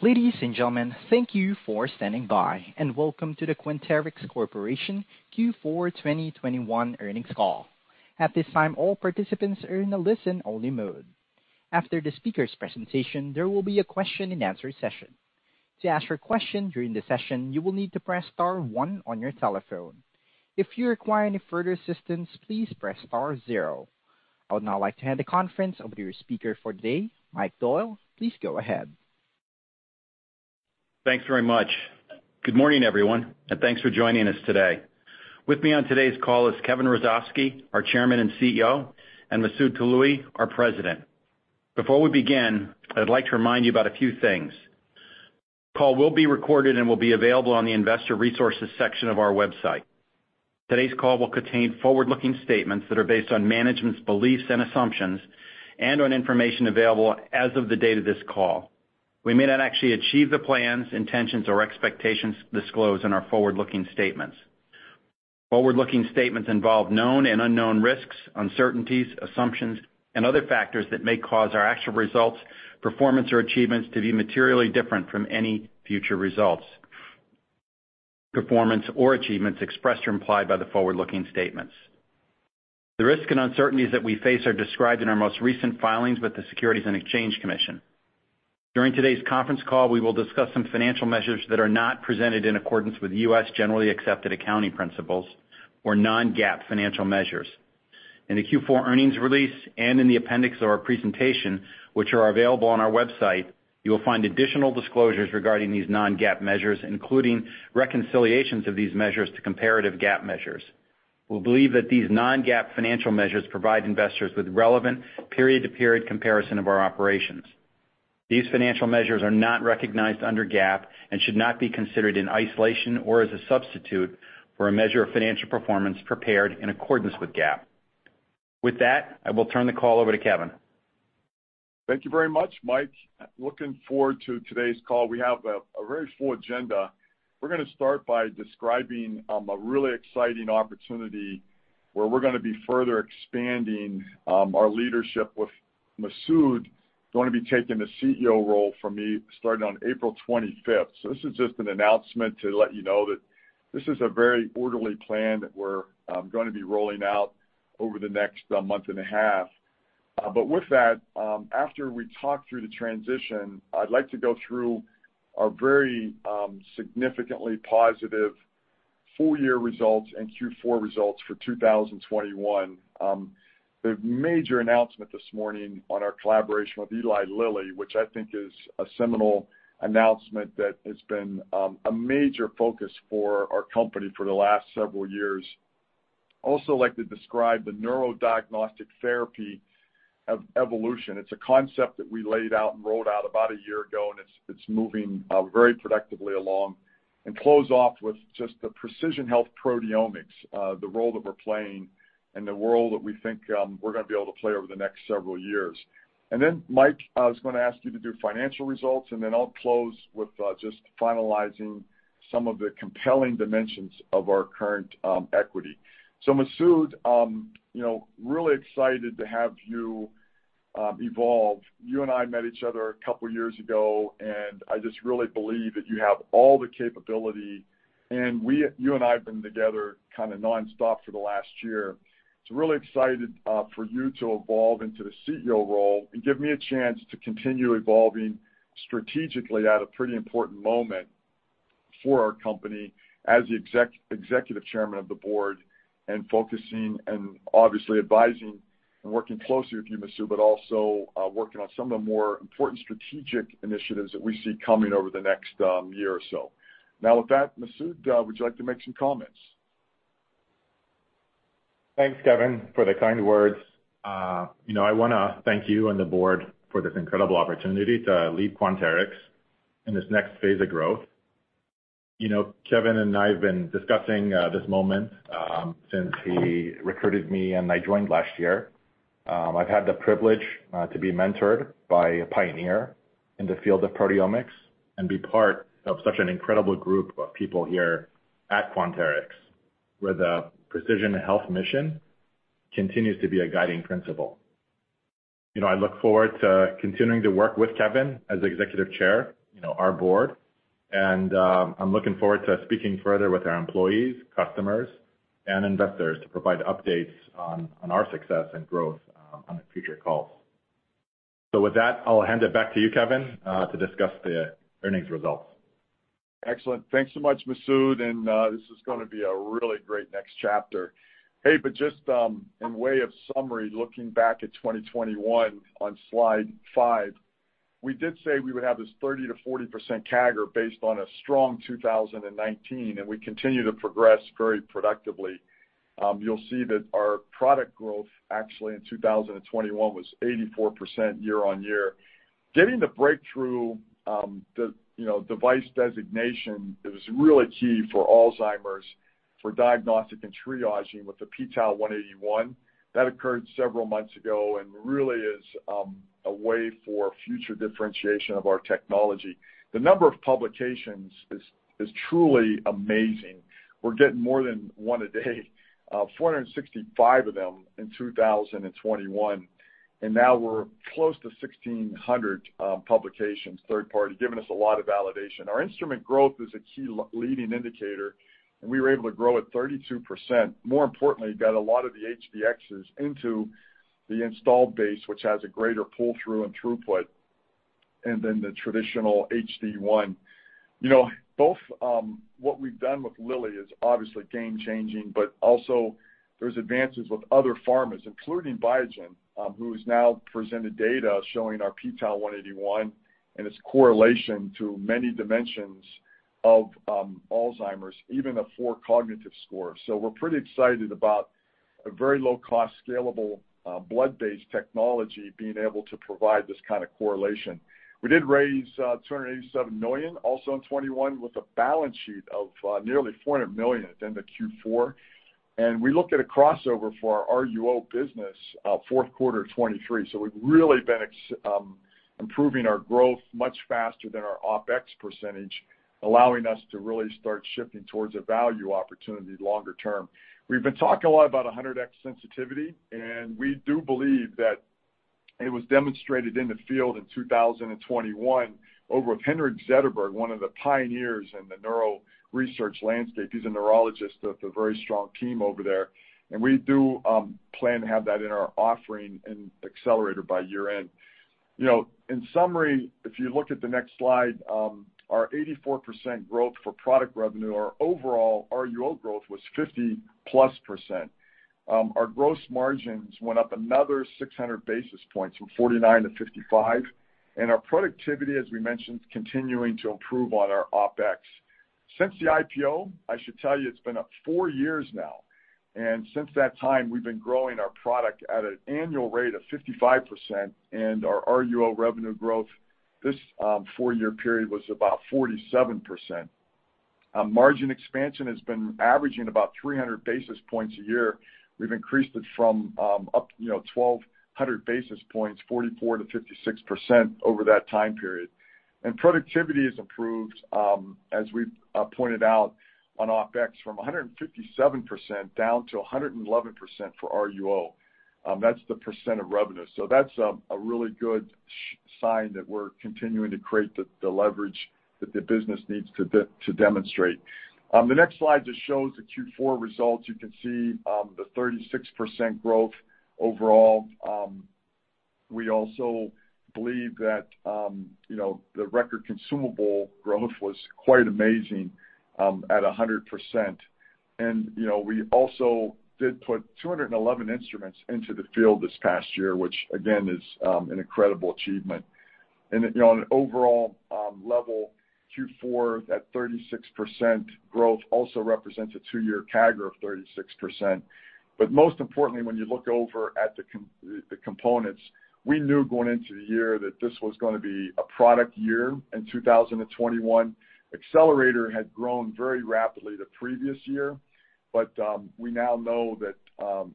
Ladies and gentlemen, thank you for standing by, and welcome to the Quanterix Corporation Q4 2021 earnings call. At this time, all participants are in a listen-only mode. After the speaker's presentation, there will be a question-and-answer session. To ask your question during the session, you will need to press star one on your telephone. If you require any further assistance, please press star zero. I would now like to hand the conference over to your speaker for today, Mike Doyle. Please go ahead. Thanks very much. Good morning, everyone, and thanks for joining us today. With me on today's call is Kevin Hrusovsky, our Chairman and CEO, and Masoud Toloue, our President. Before we begin, I'd like to remind you about a few things. The call will be recorded and will be available on the investor resources section of our website. Today's call will contain forward-looking statements that are based on management's beliefs and assumptions and on information available as of the date of this call. We may not actually achieve the plans, intentions, or expectations disclosed in our forward-looking statements. Forward-looking statements involve known and unknown risks, uncertainties, assumptions, and other factors that may cause our actual results, performance, or achievements to be materially different from any future results, performance, or achievements expressed or implied by the forward-looking statements. The risks and uncertainties that we face are described in our most recent filings with the Securities and Exchange Commission. During today's conference call, we will discuss some financial measures that are not presented in accordance with U.S. generally accepted accounting principles or non-GAAP financial measures. In the Q4 earnings release and in the appendix of our presentation, which are available on our website, you will find additional disclosures regarding these non-GAAP measures, including reconciliations of these measures to comparative GAAP measures. We believe that these non-GAAP financial measures provide investors with relevant period-to-period comparison of our operations. These financial measures are not recognized under GAAP and should not be considered in isolation or as a substitute for a measure of financial performance prepared in accordance with GAAP. With that, I will turn the call over to Kevin. Thank you very much, Mike. Looking forward to today's call. We have a very full agenda. We're gonna start by describing a really exciting opportunity where we're gonna be further expanding our leadership with Masoud going to be taking the CEO role from me starting on April 25th. This is just an announcement to let you know that this is a very orderly plan that we're gonna be rolling out over the next month and a half. With that, after we talk through the transition, I'd like to go through our very significantly positive full-year results and Q4 results for 2021. The major announcement this morning on our collaboration with Eli Lilly, which I think is a seminal announcement that has been a major focus for our company for the last several years. Also like to describe the neurodiagnostic therapy evolution. It's a concept that we laid out and rolled out about a year ago, and it's moving very productively along and close off with just the precision health proteomics, the role that we're playing and the role that we think we're gonna be able to play over the next several years. Then, Mike, I was gonna ask you to do financial results, and then I'll close with just finalizing some of the compelling dimensions of our current equity. Masoud, you know, really excited to have you evolve. You and I met each other a couple years ago, and I just really believe that you have all the capability. You and I have been together kinda nonstop for the last year. Really excited for you to evolve into the CEO role and give me a chance to continue evolving strategically at a pretty important moment for our company as the Executive Chairman of the Board and focusing and obviously advising and working closely with you, Masoud, but also working on some of the more important strategic initiatives that we see coming over the next year or so. Now, with that, Masoud, would you like to make some comments? Thanks, Kevin, for the kind words. You know, I wanna thank you and the board for this incredible opportunity to lead Quanterix in this next phase of growth. You know, Kevin and I have been discussing this moment since he recruited me and I joined last year. I've had the privilege to be mentored by a pioneer in the field of proteomics and be part of such an incredible group of people here at Quanterix, where the precision health mission continues to be a guiding principle. You know, I look forward to continuing to work with Kevin as Executive Chair, our board, and I'm looking forward to speaking further with our employees, customers, and investors to provide updates on our success and growth on the future calls. With that, I'll hand it back to you, Kevin, to discuss the earnings results. Excellent. Thanks so much, Masoud, and this is gonna be a really great next chapter. But just by way of summary, looking back at 2021 on slide five, we did say we would have this 30%-40% CAGR based on a strong 2019, and we continue to progress very productively. You'll see that our product growth actually in 2021 was 84% year-over-year. Getting the breakthrough device designation is really key for Alzheimer's for diagnostic and triaging with the p-tau181, that occurred several months ago and really is a way for future differentiation of our technology. The number of publications is truly amazing. We're getting more than one a day, 465 of them in 2021, and now we're close to 1,600 publications, third party, giving us a lot of validation. Our instrument growth is a key leading indicator, and we were able to grow at 32%. More importantly, got a lot of the HD-Xs into the installed base, which has a greater pull-through and throughput, and then the traditional HD-1. You know, both what we've done with Lilly is obviously game-changing, but also there's advances with other pharmas, including Biogen, who's now presented data showing our p-tau181 and its correlation to many dimensions of Alzheimer's, even a four cognitive score. We're pretty excited about a very low-cost scalable blood-based technology being able to provide this kind of correlation. We did raise $287 million, also in 2021, with a balance sheet of nearly $400 million at the end of Q4. We look at a crossover for our RUO business, fourth quarter 2023. We've really been improving our growth much faster than our OpEx percentage, allowing us to really start shifting towards a value opportunity longer term. We've been talking a lot about 100x sensitivity, and we do believe that it was demonstrated in the field in 2021 with Henrik Zetterberg, one of the pioneers in the neuro research landscape. He's a neurologist with a very strong team over there. We do plan to have that in our offering in Accelerator by year-end. You know, in summary, if you look at the next slide, our 84% growth for product revenue. Our overall RUO growth was 50+%. Our gross margins went up another 600 basis points, from 49%-55%. Our productivity, as we mentioned, continuing to improve on our OpEx. Since the IPO, I should tell you it's been up four years now. Since that time, we've been growing our product at an annual rate of 55%, and our RUO revenue growth this four-year period was about 47%. Margin expansion has been averaging about 300 basis points a year. We've increased it from up you know 1,200 basis points, 44%-56% over that time period. Productivity has improved, as we've pointed out on OpEx from 157% down to 111% for RUO. That's the percent of revenue. That's a really good sign that we're continuing to create the leverage that the business needs to demonstrate. The next slide just shows the Q4 results. You can see the 36% growth overall. We also believe that, you know, the record consumable growth was quite amazing at 100%. You know, we also did put 211 instruments into the field this past year, which again is an incredible achievement. You know, on an overall level, Q4 at 36% growth also represents a two-year CAGR of 36%. Most importantly, when you look over at the components, we knew going into the year that this was gonna be a product year in 2021. Accelerator had grown very rapidly the previous year, but we now know that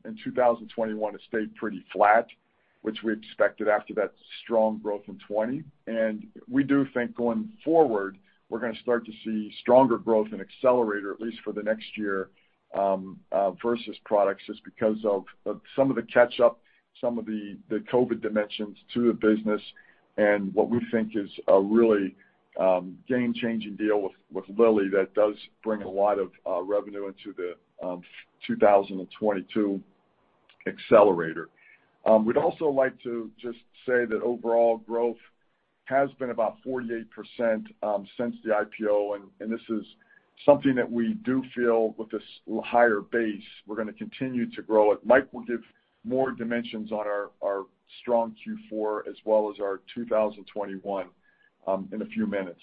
in 2021, it stayed pretty flat, which we expected after that strong growth in 2020. We do think going forward, we're gonna start to see stronger growth in Accelerator, at least for the next year, versus products just because of some of the catch-up, some of the COVID dimensions to the business, and what we think is a really game-changing deal with Lilly that does bring a lot of revenue into the 2022 Accelerator. We'd also like to just say that overall growth has been about 48%, since the IPO, and this is something that we do feel with this higher base, we're gonna continue to grow it. Mike will give more dimensions on our strong Q4 as well as our 2021 in a few minutes.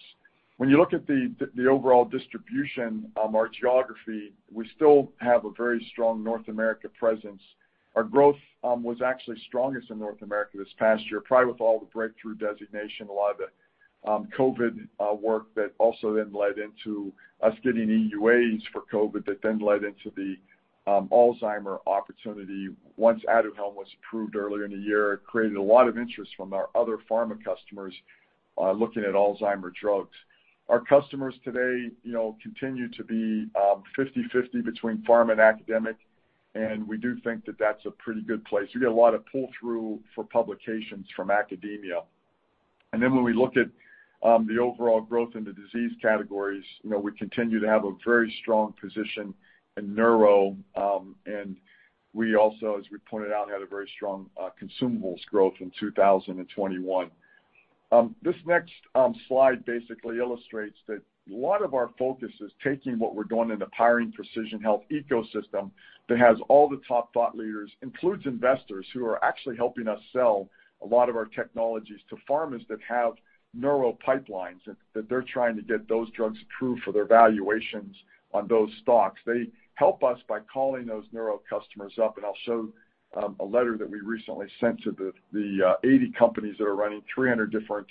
When you look at the overall distribution, our geography, we still have a very strong North America presence. Our growth was actually strongest in North America this past year, probably with all the breakthrough designation, a lot of the COVID work that also then led into us getting EUAs for COVID that then led into the Alzheimer's opportunity. Once Aduhelm was approved earlier in the year, it created a lot of interest from our other pharma customers looking at Alzheimer's drugs. Our customers today, you know, continue to be 50/50 between pharma and academic, and we do think that that's a pretty good place. We get a lot of pull-through for publications from academia. When we look at the overall growth in the disease categories, you know, we continue to have a very strong position in neuro, and we also, as we pointed out, had a very strong consumables growth in 2021. This next slide basically illustrates that a lot of our focus is taking what we're doing in the powering precision health ecosystem that has all the top thought leaders, includes investors who are actually helping us sell a lot of our technologies to pharmas that have neuro pipelines that they're trying to get those drugs approved for their valuations on those stocks. They help us by calling those neuro customers up, and I'll show a letter that we recently sent to the 80 companies that are running 300 different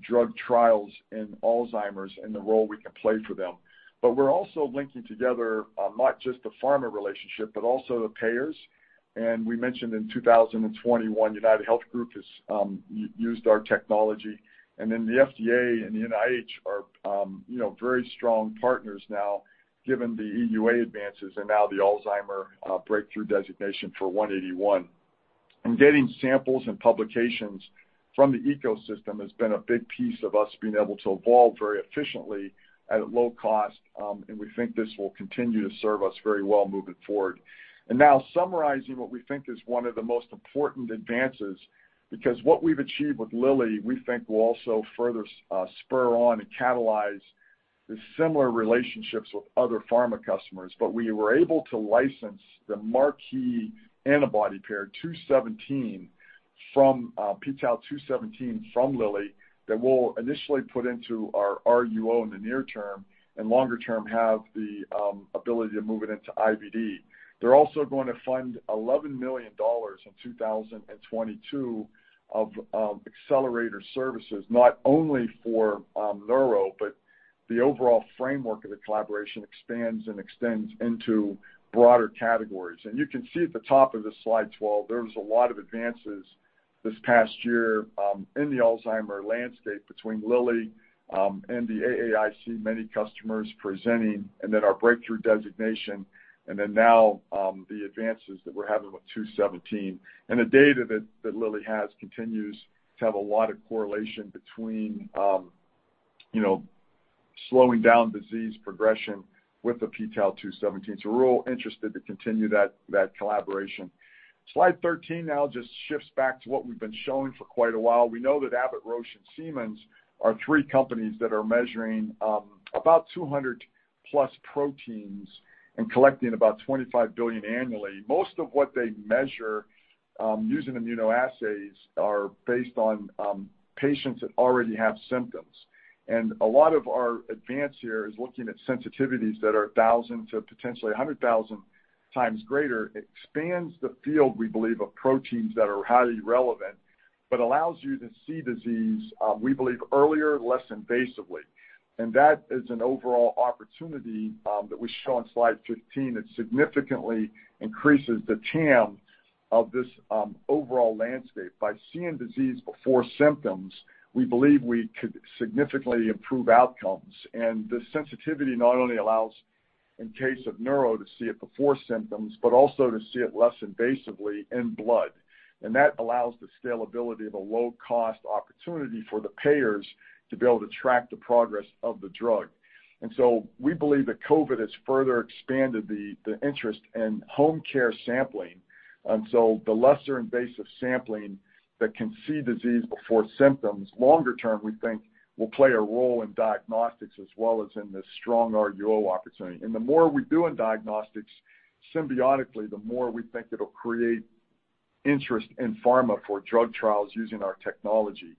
drug trials in Alzheimer's and the role we can play for them. We're also linking together not just the pharma relationship, but also the payers. We mentioned in 2021, UnitedHealth Group has used our technology. Then the FDA and the NIH are you know very strong partners now given the EUA advances and now the Alzheimer's breakthrough designation for 181. Getting samples and publications from the ecosystem has been a big piece of us being able to evolve very efficiently at a low cost, and we think this will continue to serve us very well moving forward. Now summarizing what we think is one of the most important advances, because what we've achieved with Lilly, we think will also further spur on and catalyze the similar relationships with other pharma customers. We were able to license the marquee antibody pair, p-tau217, from Lilly that we'll initially put into our RUO in the near term, and longer term have the ability to move it into IVD. They're also going to fund $11 million in 2022 of accelerator services, not only for neuro, but the overall framework of the collaboration expands and extends into broader categories. You can see at the top of this slide 12, there's a lot of advances this past year in the Alzheimer's landscape between Lilly and the AAIC, many customers presenting, and then our breakthrough designation, and then now the advances that we're having with 217. The data that Lilly has continues to have a lot of correlation between you know slowing down disease progression with the p-tau217. We're real interested to continue that collaboration. Slide 13 now just shifts back to what we've been showing for quite a while. We know that Abbott, Roche, and Siemens are three companies that are measuring about 200+ proteins and collecting about $25 billion annually. Most of what they measure using immunoassays are based on patients that already have symptoms. A lot of our advance here is looking at sensitivities that are 1,000 to potentially 100,000 times greater. It expands the field, we believe, of proteins that are highly relevant, but allows you to see disease, we believe earlier, less invasively. That is an overall opportunity that we show on slide 15 that significantly increases the TAM of this overall landscape. By seeing disease before symptoms, we believe we could significantly improve outcomes. The sensitivity not only allows, in case of neuro, to see it before symptoms, but also to see it less invasively in blood. That allows the scalability of a low-cost opportunity for the payers to be able to track the progress of the drug. We believe that COVID has further expanded the interest in home care sampling. The less invasive sampling that can see disease before symptoms, longer term, we think will play a role in diagnostics as well as in this strong RUO opportunity. The more we do in diagnostics, symbiotically, the more we think it'll create interest in pharma for drug trials using our technology.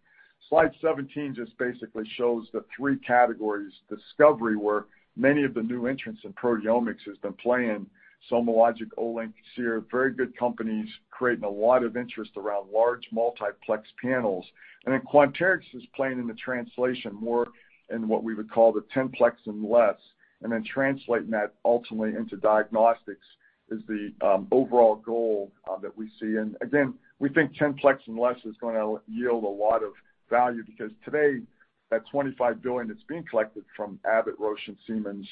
Slide 17 just basically shows the three categories. Discovery, where many of the new entrants in proteomics have been playing. SomaLogic, Olink, Seer, very good companies creating a lot of interest around large multiplex panels. Quanterix is playing in the translation more in what we would call the 10-plex and less, and then translating that ultimately into diagnostics is the overall goal that we see. Again, we think 10-plex and less is gonna yield a lot of value because today that $25 billion that's being collected from Abbott, Roche, and Siemens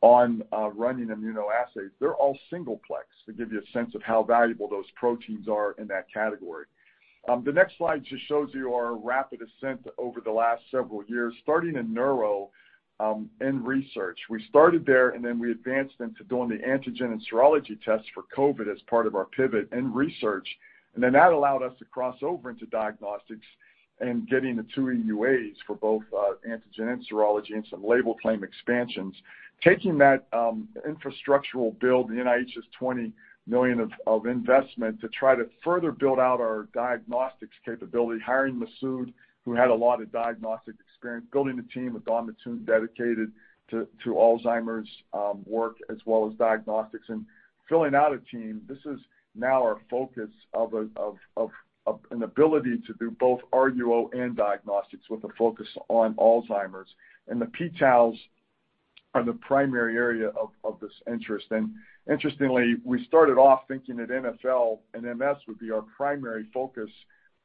on running immunoassays, they're all single-plex, to give you a sense of how valuable those proteins are in that category. The next slide just shows you our rapid ascent over the last several years, starting in neuro and research. We started there, and then we advanced into doing the antigen and serology tests for COVID as part of our pivot and research. Then that allowed us to cross over into diagnostics and getting the two EUAs for both antigen and serology and some label claim expansions. Taking that infrastructural build, the NIH's $20 million of investment to try to further build out our diagnostics capability, hiring Masoud, who had a lot of diagnostic experience, building a team with Dawn Mattoon dedicated to Alzheimer's work as well as diagnostics, and filling out a team. This is now our focus of an ability to do both RUO and diagnostics with a focus on Alzheimer's. The p-Taus are the primary area of this interest. Interestingly, we started off thinking that NfL and MS would be our primary focus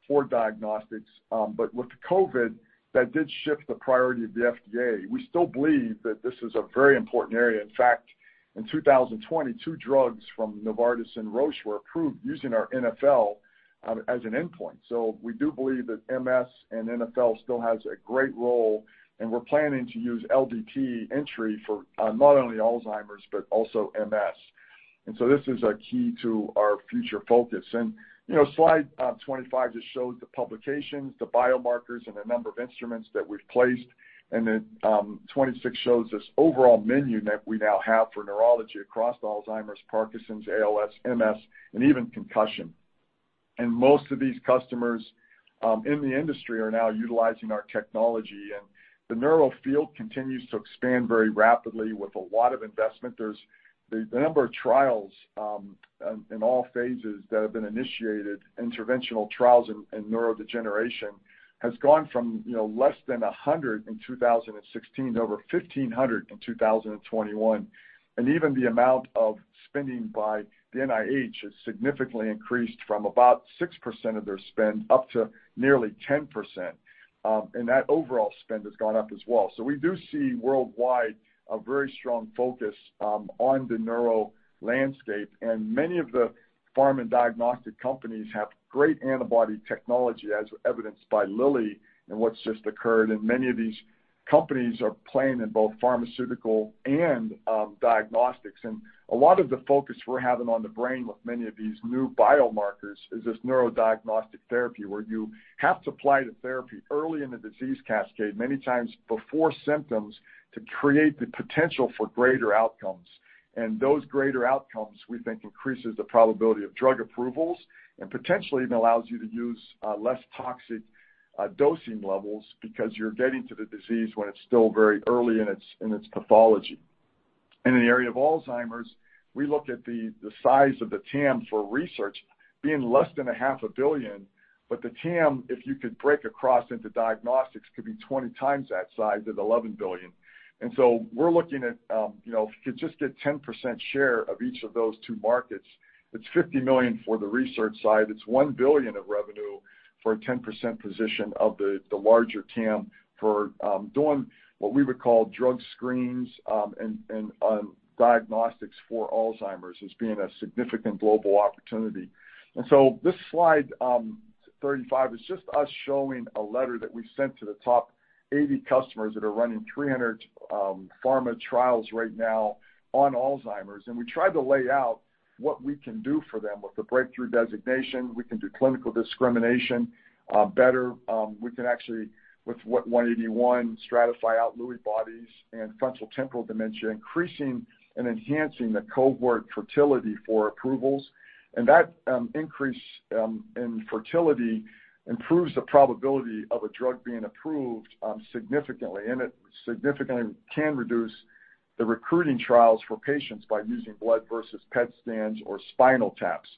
for diagnostics. But with the COVID, that did shift the priority of the FDA. We still believe that this is a very important area. In fact, in 2020, two drugs from Novartis and Roche were approved using our NfL as an endpoint. We do believe that MS and NfL still has a great role, and we're planning to use LDT entry for not only Alzheimer's, but also MS. This is a key to our future focus. Slide 25 just shows the publications, the biomarkers, and the number of instruments that we've placed. 26 shows this overall menu that we now have for neurology across Alzheimer's, Parkinson's, ALS, MS, and even concussion. Most of these customers in the industry are now utilizing our technology. The neuro field continues to expand very rapidly with a lot of investment. There's the number of trials in all phases that have been initiated, interventional trials in neurodegeneration, has gone from less than 100 in 2016 to over 1,500 in 2021. Even the amount of spending by the NIH has significantly increased from about 6% of their spend up to nearly 10%. That overall spend has gone up as well. We do see worldwide a very strong focus on the neuro landscape. Many of the pharma diagnostic companies have great antibody technology, as evidenced by Lilly and what's just occurred, and many of these companies are playing in both pharmaceutical and diagnostics. A lot of the focus we're having on the brain with many of these new biomarkers is this neurodiagnostic therapy, where you have to apply the therapy early in the disease cascade, many times before symptoms, to create the potential for greater outcomes. Those greater outcomes, we think, increases the probability of drug approvals and potentially even allows you to use less toxic dosing levels because you're getting to the disease when it's still very early in its pathology. In the area of Alzheimer's, we look at the size of the TAM for research being less than half a billion, but the TAM, if you could break across into diagnostics, could be 20 times that size at $11 billion. We're looking at, you know, if you could just get 10% share of each of those two markets, it's $50 million for the research side, it's $1 billion of revenue for a 10% position of the larger TAM for doing what we would call drug screens and diagnostics for Alzheimer's as being a significant global opportunity. This slide 35, is just us showing a letter that we sent to the top 80 customers that are running 300 pharma trials right now on Alzheimer's. We tried to lay out what we can do for them with the breakthrough designation. We can do clinical discrimination better. We can actually, with 181, stratify out Lewy bodies and frontotemporal dementia, increasing and enhancing the cohort fertility for approvals. That increase in fertility improves the probability of a drug being approved significantly, and it significantly can reduce the recruiting trials for patients by using blood versus PET scans or spinal taps.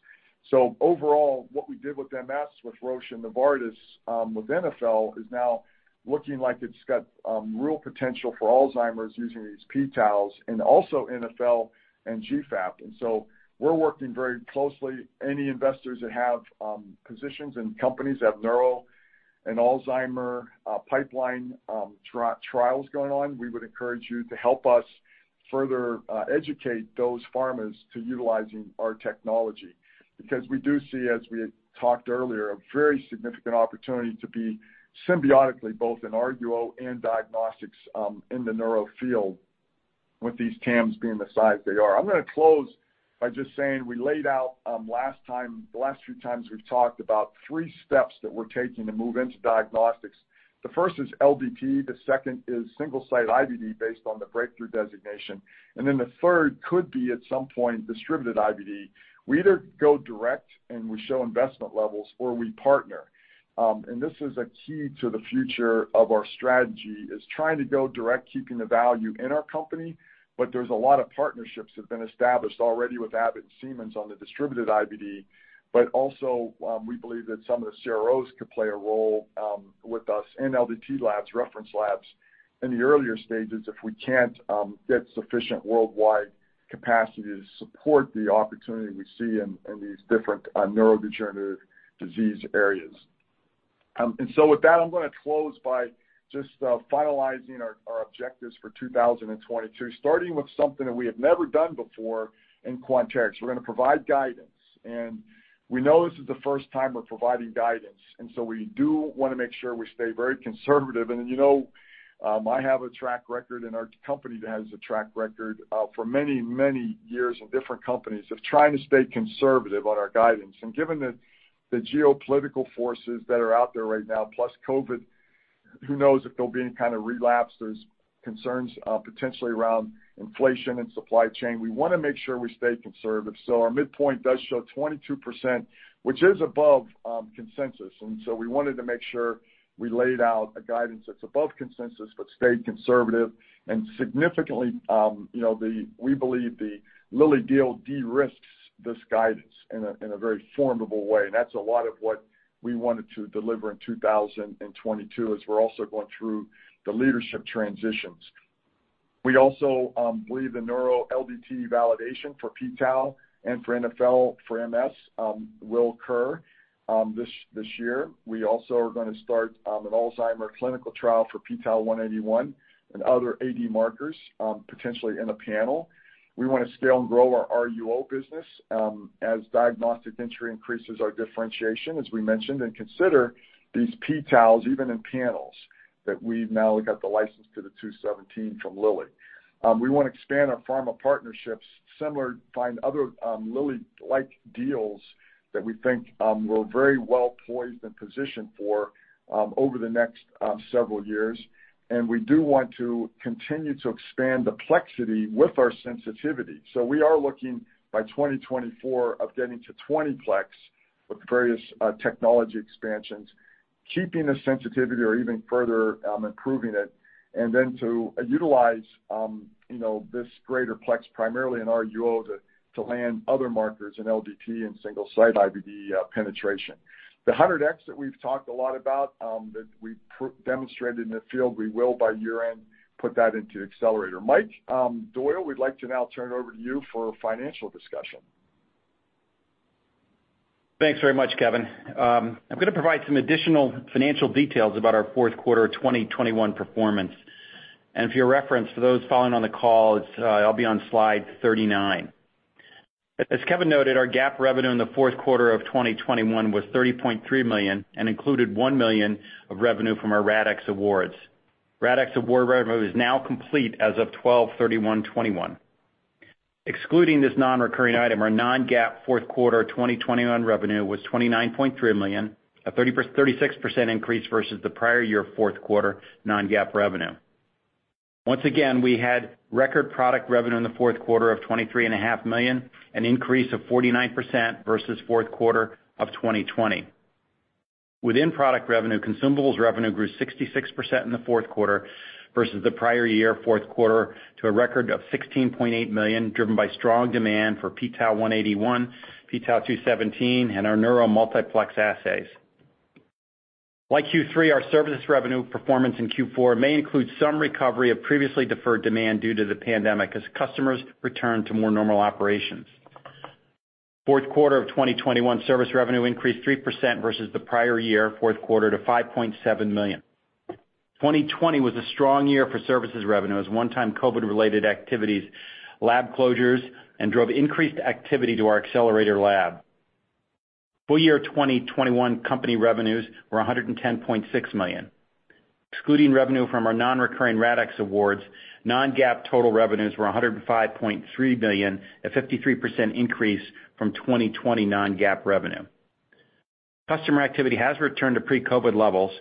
Overall, what we did with MS, with Roche and Novartis, with NFL, is now looking like it's got real potential for Alzheimer's using these p-Taus and also NfL and GFAP. We're working very closely. Any investors that have positions in companies that have neuro and Alzheimer pipeline trials going on, we would encourage you to help us further educate those pharmas to utilizing our technology. Because we do see, as we had talked earlier, a very significant opportunity to be symbiotically both in RUO and diagnostics in the neuro field with these TAMs being the size they are. I'm gonna close by just saying we laid out last time, the last few times we've talked about three steps that we're taking to move into diagnostics. The first is LDT, the second is single-site IVD based on the breakthrough designation, and then the third could be at some point distributed IVD. We either go direct and we show investment levels or we partner. This is a key to the future of our strategy, is trying to go direct, keeping the value in our company, but there's a lot of partnerships that have been established already with Abbott and Siemens on the distributed IVD. But also, we believe that some of the CROs could play a role with us in LDT labs, reference labs in the earlier stages if we can't get sufficient worldwide capacity to support the opportunity we see in these different neurodegenerative disease areas. With that, I'm gonna close by just finalizing our objectives for 2022, starting with something that we have never done before in Quanterix. We're gonna provide guidance. We know this is the first time we're providing guidance. We do wanna make sure we stay very conservative. Then, you know, I have a track record and our company has a track record for many, many years in different companies of trying to stay conservative on our guidance. Given the geopolitical forces that are out there right now, plus COVID, who knows if there'll be any kind of relapse. There's concerns potentially around inflation and supply chain. We wanna make sure we stay conservative. Our midpoint does show 22%, which is above consensus. We wanted to make sure we laid out a guidance that's above consensus but stayed conservative. Significantly, you know, we believe the Lilly deal de-risks this guidance in a very formidable way, and that's a lot of what we wanted to deliver in 2022 as we're also going through the leadership transitions. We also believe the neuro LDT validation for p-Tau and for NfL for MS will occur this year. We also are gonna start an Alzheimer's clinical trial for p-Tau181 and other AD markers potentially in a panel. We wanna scale and grow our RUO business as diagnostic entry increases our differentiation, as we mentioned, and consider these p-Taus even in panels that we've now got the license to the 217 from Lilly. We wanna expand our pharma partnerships, similar, find other Lilly-like deals that we think we're very well poised and positioned for over the next several years. We do want to continue to expand the plexity with our sensitivity. We are looking by 2024 of getting to 20-plex with various technology expansions, keeping the sensitivity or even further improving it, and then to utilize you know this greater plex primarily in our RUO to land other markers in LDT and single-site IVD penetration. The HD-X that we've talked a lot about that we demonstrated in the field, we will by year-end put that into Accelerator. Mike Doyle, we'd like to now turn it over to you for a financial discussion. Thanks very much, Kevin. I'm gonna provide some additional financial details about our fourth quarter 2021 performance. For your reference, for those following on the call, it's, I'll be on slide 39. As Kevin noted, our GAAP revenue in the fourth quarter of 2021 was $30.3 million and included $1 million of revenue from our RADx awards. RADx award revenue is now complete as of 12-31-2021. Excluding this non-recurring item, our non-GAAP fourth quarter 2021 revenue was $29.3 million, a 36% increase versus the prior year fourth quarter non-GAAP revenue. Once again, we had record product revenue in the fourth quarter of $23.5 million, an increase of 49% versus fourth quarter of 2020. Within product revenue, consumables revenue grew 66% in the fourth quarter versus the prior year fourth quarter to a record of $16.8 million, driven by strong demand for p-tau181, p-tau217, and our neuro multiplex assays. Like Q3, our services revenue performance in Q4 may include some recovery of previously deferred demand due to the pandemic as customers return to more normal operations. Fourth quarter of 2021 service revenue increased 3% versus the prior year fourth quarter to $5.7 million. 2020 was a strong year for services revenues, one-time COVID-related activities, lab closures, and drove increased activity to our Accelerator lab. Full year 2021 company revenues were $110.6 million. Excluding revenue from our non-recurring RADx awards, non-GAAP total revenues were $105.3 million, a 53% increase from 2020 non-GAAP revenue. Customer activity has returned to pre-COVID levels.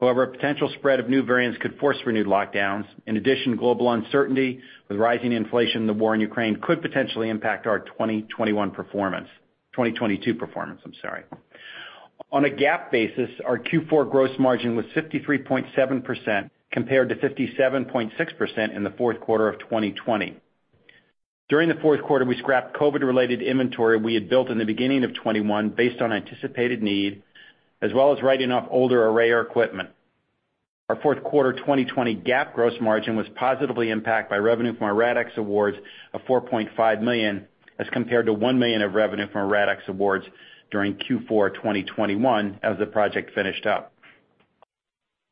However, a potential spread of new variants could force renewed lockdowns. In addition, global uncertainty with rising inflation and the war in Ukraine could potentially impact our 2021 performance, 2022 performance, I'm sorry. On a GAAP basis, our Q4 gross margin was 53.7% compared to 57.6% in the fourth quarter of 2020. During the fourth quarter, we scrapped COVID-related inventory we had built in the beginning of 2021 based on anticipated need, as well as writing off older arrayer equipment. Our fourth quarter 2020 GAAP gross margin was positively impacted by revenue from our RADx awards of $4.5 million, as compared to $1 million of revenue from our RADx awards during Q4 2021 as the project finished up.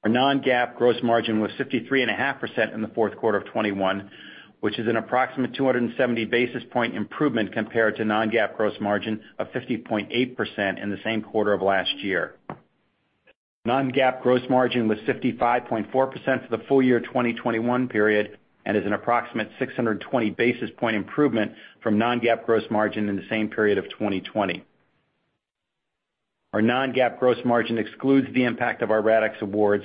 Our non-GAAP gross margin was 53.5% in the fourth quarter of 2021, which is an approximate 270 basis point improvement compared to non-GAAP gross margin of 50.8% in the same quarter of last year. Non-GAAP gross margin was 55.4% for the full year 2021 period and is an approximate 620 basis point improvement from non-GAAP gross margin in the same period of 2020. Our non-GAAP gross margin excludes the impact of our RADx awards,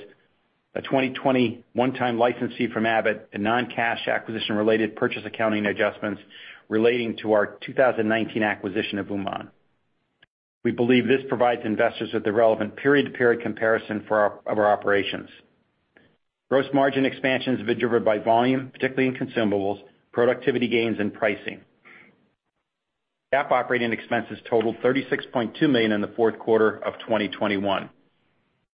a 2021 one-time license fee from Abbott, a non-cash acquisition-related purchase accounting adjustments relating to our 2019 acquisition of Uman. We believe this provides investors with the relevant period-to-period comparison for our operations. Gross margin expansions have been driven by volume, particularly in consumables, productivity gains, and pricing. GAAP operating expenses totaled $36.2 million in the fourth quarter of 2021.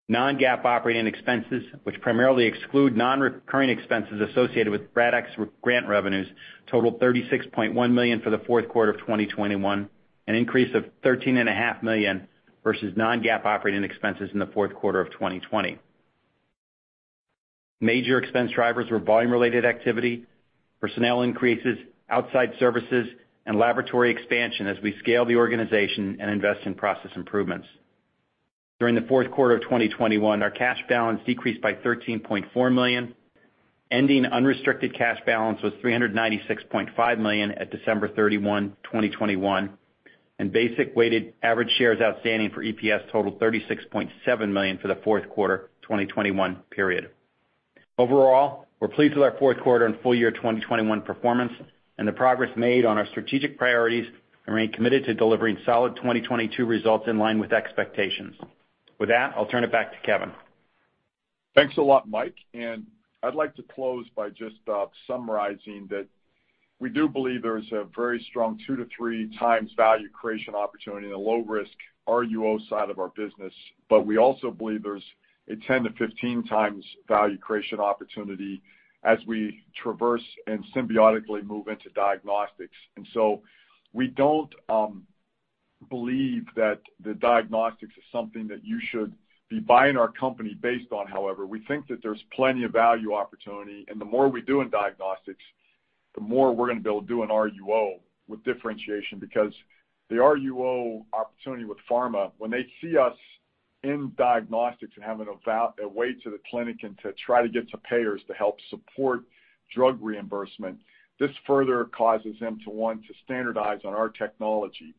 Non-GAAP operating expenses, which primarily exclude non-recurring expenses associated with RADx re-grant revenues, totaled $36.1 million for the fourth quarter of 2021, an increase of $13.5 Million versus non-GAAP operating expenses in the fourth quarter of 2020. Major expense drivers were volume-related activity, personnel increases, outside services, and laboratory expansion as we scale the organization and invest in process improvements. During the fourth quarter of 2021, our cash balance decreased by $13.4 million, ending unrestricted cash balance was $396.5 million at December 31, 2021, and basic weighted average shares outstanding for EPS totaled 36.7 million for the fourth quarter 2021 period. Overall, we're pleased with our fourth quarter and full year 2021 performance and the progress made on our strategic priorities and remain committed to delivering solid 2022 results in line with expectations. With that, I'll turn it back to Kevin. Thanks a lot, Mike. I'd like to close by just summarizing that we do believe there's a very strong 2-3 times value creation opportunity in a low risk RUO side of our business. We also believe there's a 10-15 times value creation opportunity as we traverse and symbiotically move into diagnostics. We don't believe that the diagnostics is something that you should be buying our company based on, however. We think that there's plenty of value opportunity, and the more we do in diagnostics, the more we're gonna be able to do in RUO with differentiation. Because the RUO opportunity with pharma, when they see us in diagnostics and having a way to the clinic and to try to get to payers to help support drug reimbursement, this further causes them to want to standardize on our technology.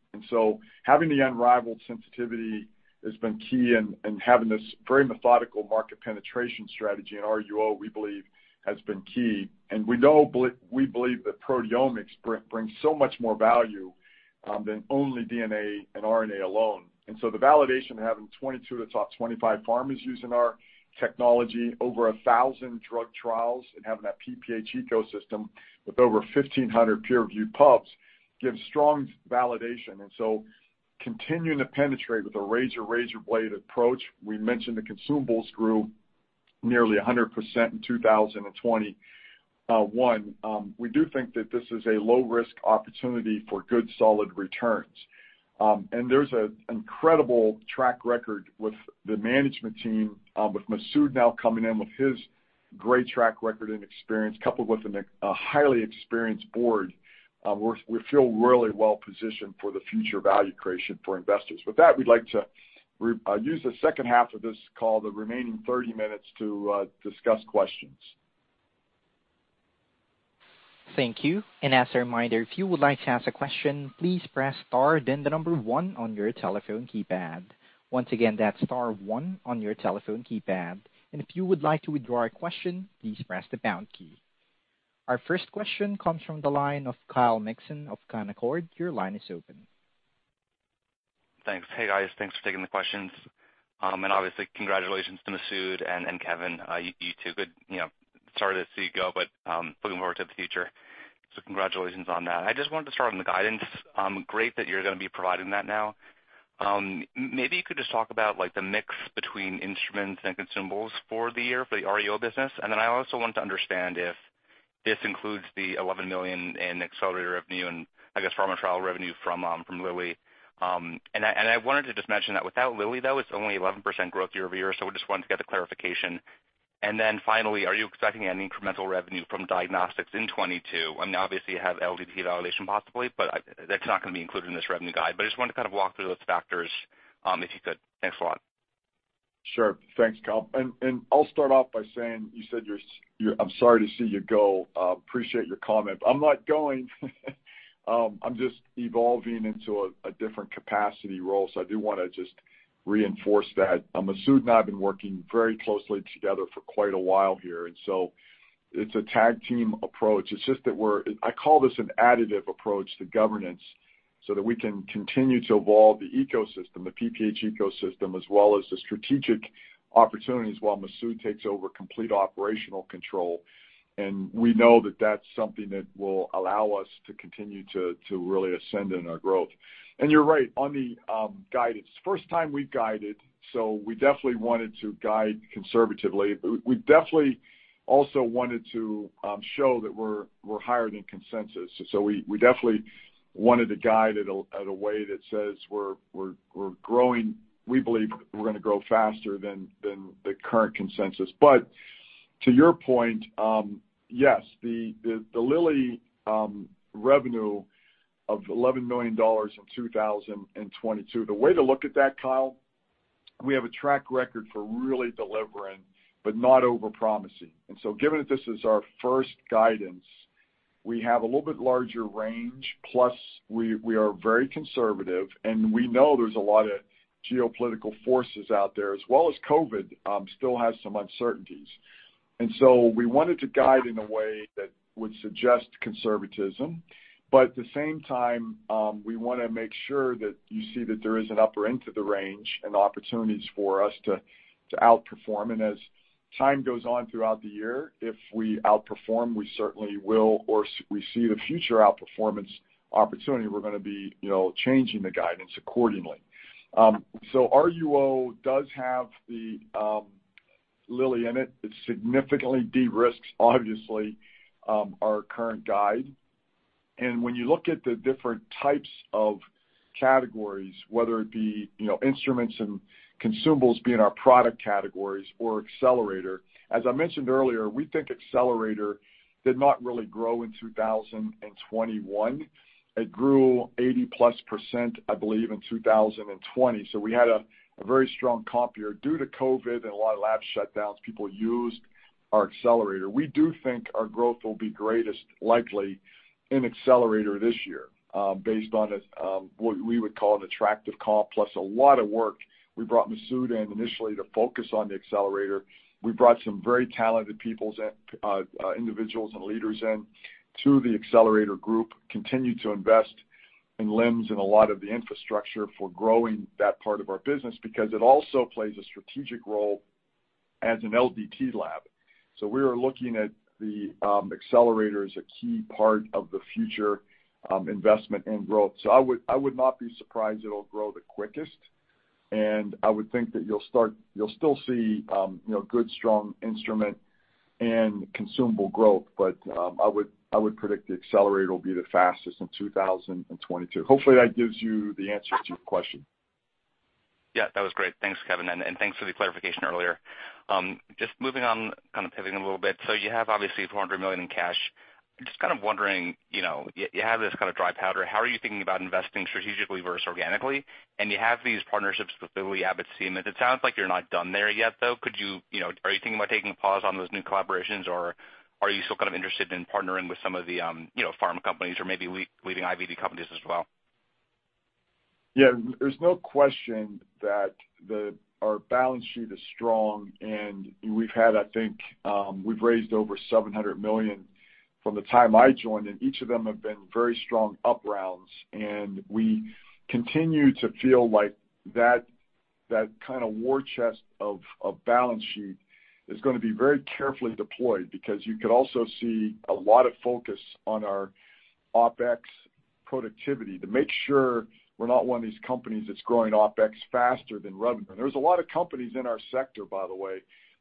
Having the unrivaled sensitivity has been key and having this very methodical market penetration strategy in RUO, we believe has been key. We believe that proteomics brings so much more value than only DNA and RNA alone. The validation of having 22 of the top 25 pharmas using our technology, over 1,000 drug trials and having that PPH ecosystem with over 1,500 peer-reviewed pubs gives strong validation. Continuing to penetrate with a razor blade approach. We mentioned the consumables grew nearly 100% in 2021. We do think that this is a low risk opportunity for good, solid returns. There's an incredible track record with the management team, with Masoud now coming in with his great track record and experience coupled with a highly experienced board. We feel really well positioned for the future value creation for investors. With that, we'd like to use the second half of this call, the remaining 30 minutes to discuss questions. Thank you. As a reminder, if you would like to ask a question, please press star then one on your telephone keypad. Once again, that's star one on your telephone keypad. If you would like to withdraw a question, please press the pound key. Our first question comes from the line of Kyle Mikson of Canaccord Genuity. Your line is open. Thanks. Hey, guys. Thanks for taking the questions. And obviously, congratulations to Masoud and Kevin. You know, sorry to see you go, but looking forward to the future. So congratulations on that. I just wanted to start on the guidance. Great that you're gonna be providing that now. Maybe you could just talk about like the mix between instruments and consumables for the year, for the RUO business. And then I also wanted to understand if this includes the $11 million in Accelerator revenue and I guess pharma trial revenue from Lilly. And I wanted to just mention that without Lilly, though, it's only 11% growth year-over-year, so just wanted to get the clarification. And then finally, are you expecting any incremental revenue from diagnostics in 2022? I mean, obviously you have LDT validation possibly, but that's not gonna be included in this revenue guide. Just wanted to kind of walk through those factors, if you could. Thanks a lot. Sure. Thanks, Kyle. I'll start off by saying you said you're sorry to see me go. Appreciate your comment, but I'm not going. I'm just evolving into a different capacity role, so I do want to just reinforce that. Masoud and I have been working very closely together for quite a while here, so it's a tag team approach. It's just that I call this an additive approach to governance so that we can continue to evolve the ecosystem, the PPH ecosystem, as well as the strategic opportunities while Masoud takes over complete operational control. We know that that's something that will allow us to continue to really ascend in our growth. You're right. On the guidance, first time we've guided, so we definitely wanted to guide conservatively. We definitely also wanted to show that we're higher than consensus. We definitely wanted to guide at a way that says we're growing. We believe we're gonna grow faster than the current consensus. But to your point, yes, the Lilly revenue of $11 million in 2022, the way to look at that, Kyle, we have a track record for really delivering but not over-promising. Given that this is our first guidance, we have a little bit larger range, plus we are very conservative, and we know there's a lot of geopolitical forces out there, as well as COVID still has some uncertainties. We wanted to guide in a way that would suggest conservatism, but at the same time, we wanna make sure that you see that there is an upper end to the range and opportunities for us to outperform. As time goes on throughout the year, if we outperform, we certainly will, we see the future outperformance opportunity, we're gonna be, you know, changing the guidance accordingly. RUO does have the Lilly in it. It significantly de-risks obviously our current guide. When you look at the different types of categories, whether it be, you know, instruments and consumables being our product categories or accelerator. As I mentioned earlier, we think Accelerator did not really grow in 2021. It grew 80%+, I believe, in 2020. We had a very strong comp year due to COVID and a lot of lab shutdowns. People used our Accelerator. We do think our growth will be greatest likely in Accelerator this year based on what we would call an attractive comp plus a lot of work. We brought Masoud in initially to focus on the Accelerator. We brought some very talented people in individuals and leaders into the accelerator group, continue to invest in LIMS and a lot of the infrastructure for growing that part of our business because it also plays a strategic role as an LDT lab. We are looking at the Accelerator as a key part of the future investment and growth. I would not be surprised it'll grow the quickest, and I would think that you'll still see, you know, good, strong instrument and consumable growth. But I would predict the Accelerator will be the fastest in 2022. Hopefully that gives you the answer to your question. Yeah, that was great. Thanks, Kevin, and thanks for the clarification earlier. Just moving on, kind of pivoting a little bit. You have obviously $400 million in cash. I'm just kind of wondering, you have this kind of dry powder, how are you thinking about investing strategically versus organically? You have these partnerships with Lilly, Abbott, Siemens. It sounds like you're not done there yet, though. Could you, are you thinking about taking a pause on those new collaborations, or are you still kind of interested in partnering with some of the, pharma companies or maybe leading IVD companies as well? Yeah. There's no question that our balance sheet is strong, and we've had, I think, we've raised over $700 million from the time I joined, and each of them have been very strong up rounds. We continue to feel like that kind of war chest of balance sheet is gonna be very carefully deployed because you could also see a lot of focus on our OpEx productivity to make sure we're not one of these companies that's growing OpEx faster than revenue. There's a lot of companies in our sector, by the way,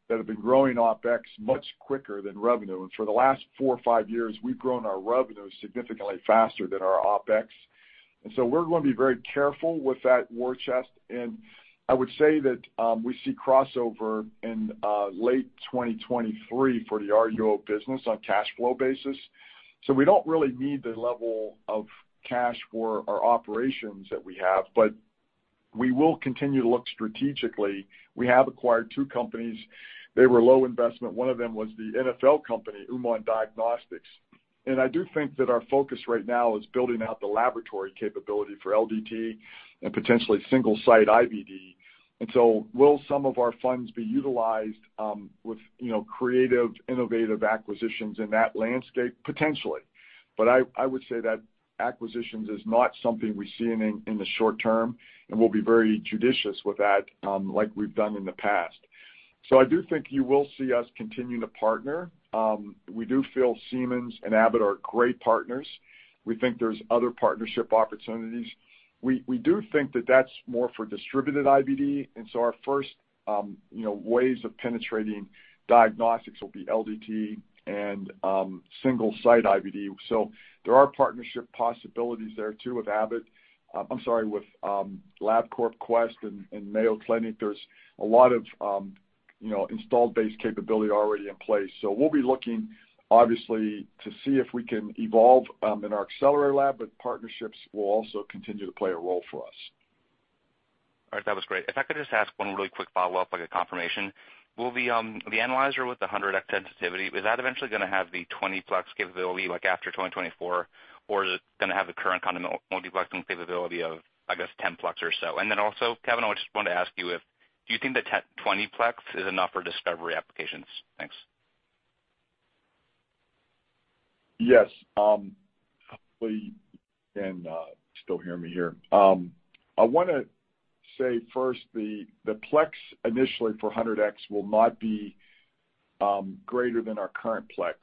that have been growing OpEx much quicker than revenue. For the last four or five years, we've grown our revenue significantly faster than our OpEx. We're gonna be very careful with that war chest. I would say that we see crossover in late 2023 for the RUO business on cash flow basis. We don't really need the level of cash for our operations that we have, but we will continue to look strategically. We have acquired two companies. They were low investment. One of them was the NfL company, UmanDiagnostics. I do think that our focus right now is building out the laboratory capability for LDT and potentially single-site IVD. Will some of our funds be utilized with you know creative innovative acquisitions in that landscape? Potentially. I would say that acquisitions is not something we see in the short term, and we'll be very judicious with that like we've done in the past. I do think you will see us continuing to partner. We do feel Siemens and Abbott are great partners. We think there's other partnership opportunities. We do think that that's more for distributed IVD, and so our first, you know, waves of penetrating diagnostics will be LDT and single-site IVD. There are partnership possibilities there too with Abbott. I'm sorry, with Labcorp, Quest and Mayo Clinic. There's a lot of, you know, installed base capability already in place. We'll be looking, obviously, to see if we can evolve in our Accelerator Laboratory, but partnerships will also continue to play a role for us. All right, that was great. If I could just ask one really quick follow-up, like a confirmation. Will the analyzer with the HD-X sensitivity eventually have the 20-plex capability like after 2024? Or is it going to have the current kind of multiplexing capability of, I guess, 10-plex or so? Kevin, I just wanted to ask you if you think the 10-20 plex is enough for discovery applications? Thanks. Yes, hopefully you can still hear me here. I wanna say first, the plex initially for HD-X will not be greater than our current plex,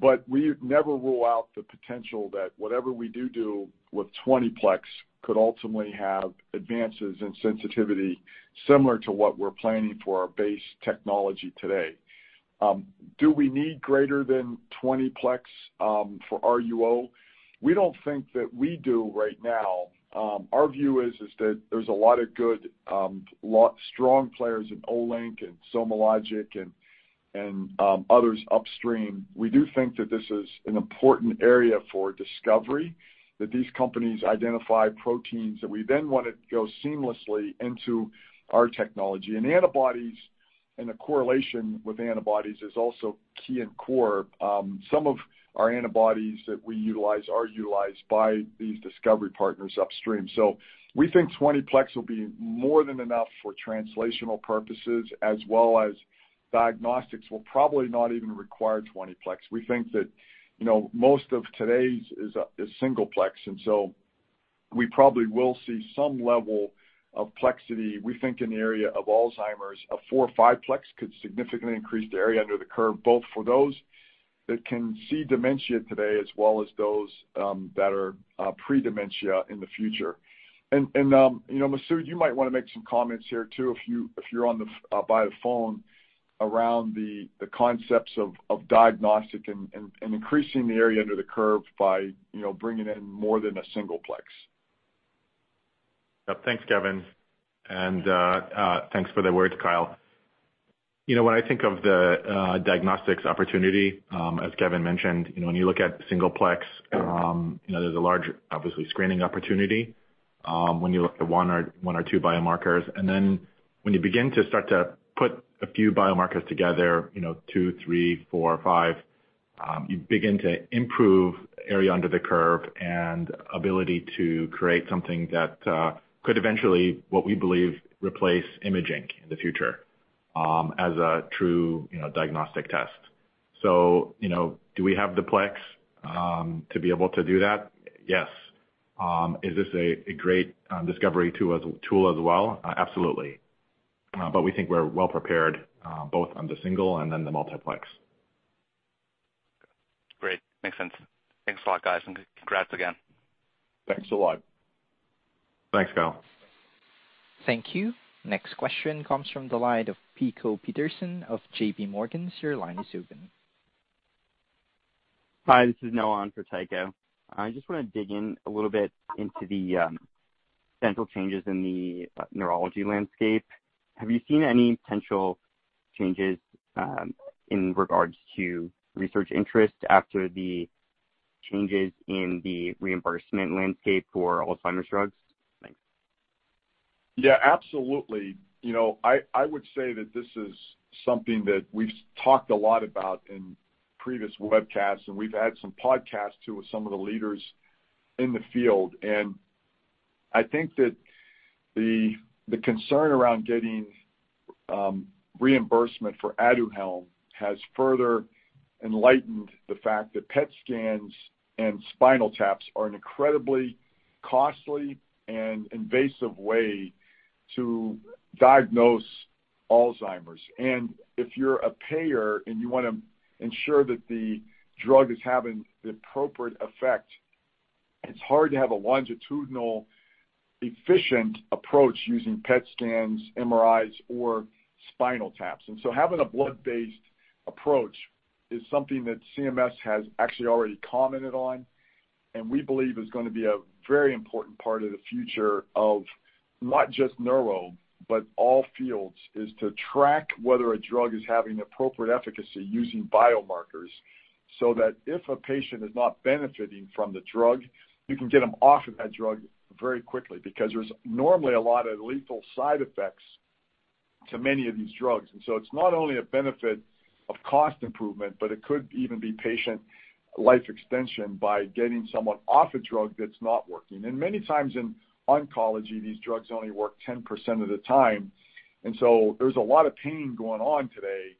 but we never rule out the potential that whatever we do with 20-plex could ultimately have advances in sensitivity similar to what we're planning for our base technology today. Do we need greater than 20-plex for RUO? We don't think that we do right now. Our view is that there's a lot of strong players in Olink and SomaLogic and others upstream. We do think that this is an important area for discovery, that these companies identify proteins that we then wanna go seamlessly into our technology. Antibodies, and the correlation with antibodies is also key and core. Some of our antibodies that we utilize are utilized by these discovery partners upstream. We think 20-plex will be more than enough for translational purposes as well as diagnostics will probably not even require 20-plex. We think that, you know, most of today's is single plex, and so we probably will see some level of plexity, we think, in the area of Alzheimer's. A four or five plex could significantly increase the area under the curve, both for those that can see dementia today as well as those that are pre-dementia in the future. You know, Masoud, you might wanna make some comments here too, if you're on the phone around the concepts of diagnostics and increasing the area under the curve by, you know, bringing in more than a single plex. Yeah. Thanks, Kevin. Thanks for the words, Kyle. You know, when I think of the diagnostics opportunity, as Kevin mentioned, you know, when you look at single plex, you know, there's a large, obviously, screening opportunity, when you look at one or two biomarkers. Then when you begin to start to put a few biomarkers together, you know, two, three, four, five, you begin to improve area under the curve and ability to create something that could eventually, what we believe, replace imaging in the future, as a true, you know, diagnostic test. You know, do we have the plex to be able to do that? Yes. Is this a great discovery tool as well? Absolutely. We think we're well prepared, both on the single and then the multiplex. Great. Makes sense. Thanks a lot, guys, and congrats again. Thanks a lot. Thanks, Kyle. Thank you. Next question comes from the line of Tycho Petersen of JPMorgan. Your line is open. Hi, this is Noah on for Tycho. I just wanna dig in a little bit into the central changes in the neurology landscape. Have you seen any potential changes in regards to research interest after the changes in the reimbursement landscape for Alzheimer's drugs? Thanks. Yeah, absolutely. You know, I would say that this is something that we've talked a lot about in previous webcasts, and we've had some podcasts too with some of the leaders in the field. I think that the concern around getting reimbursement for Aduhelm has further enlightened the fact that PET scans and spinal taps are an incredibly costly and invasive way to diagnose Alzheimer's. If you're a payer and you wanna ensure that the drug is having the appropriate effect, it's hard to have a longitudinal efficient approach using PET scans, MRIs or spinal taps. Having a blood-based approach is something that CMS has actually already commented on, and we believe is gonna be a very important part of the future of not just neuro, but all fields, is to track whether a drug is having appropriate efficacy using biomarkers, so that if a patient is not benefiting from the drug, you can get them off of that drug very quickly because there's normally a lot of lethal side effects to many of these drugs. It's not only a benefit of cost improvement, but it could even be patient life extension by getting someone off a drug that's not working. Many times in oncology, these drugs only work 10% of the time. There's a lot of pain going on today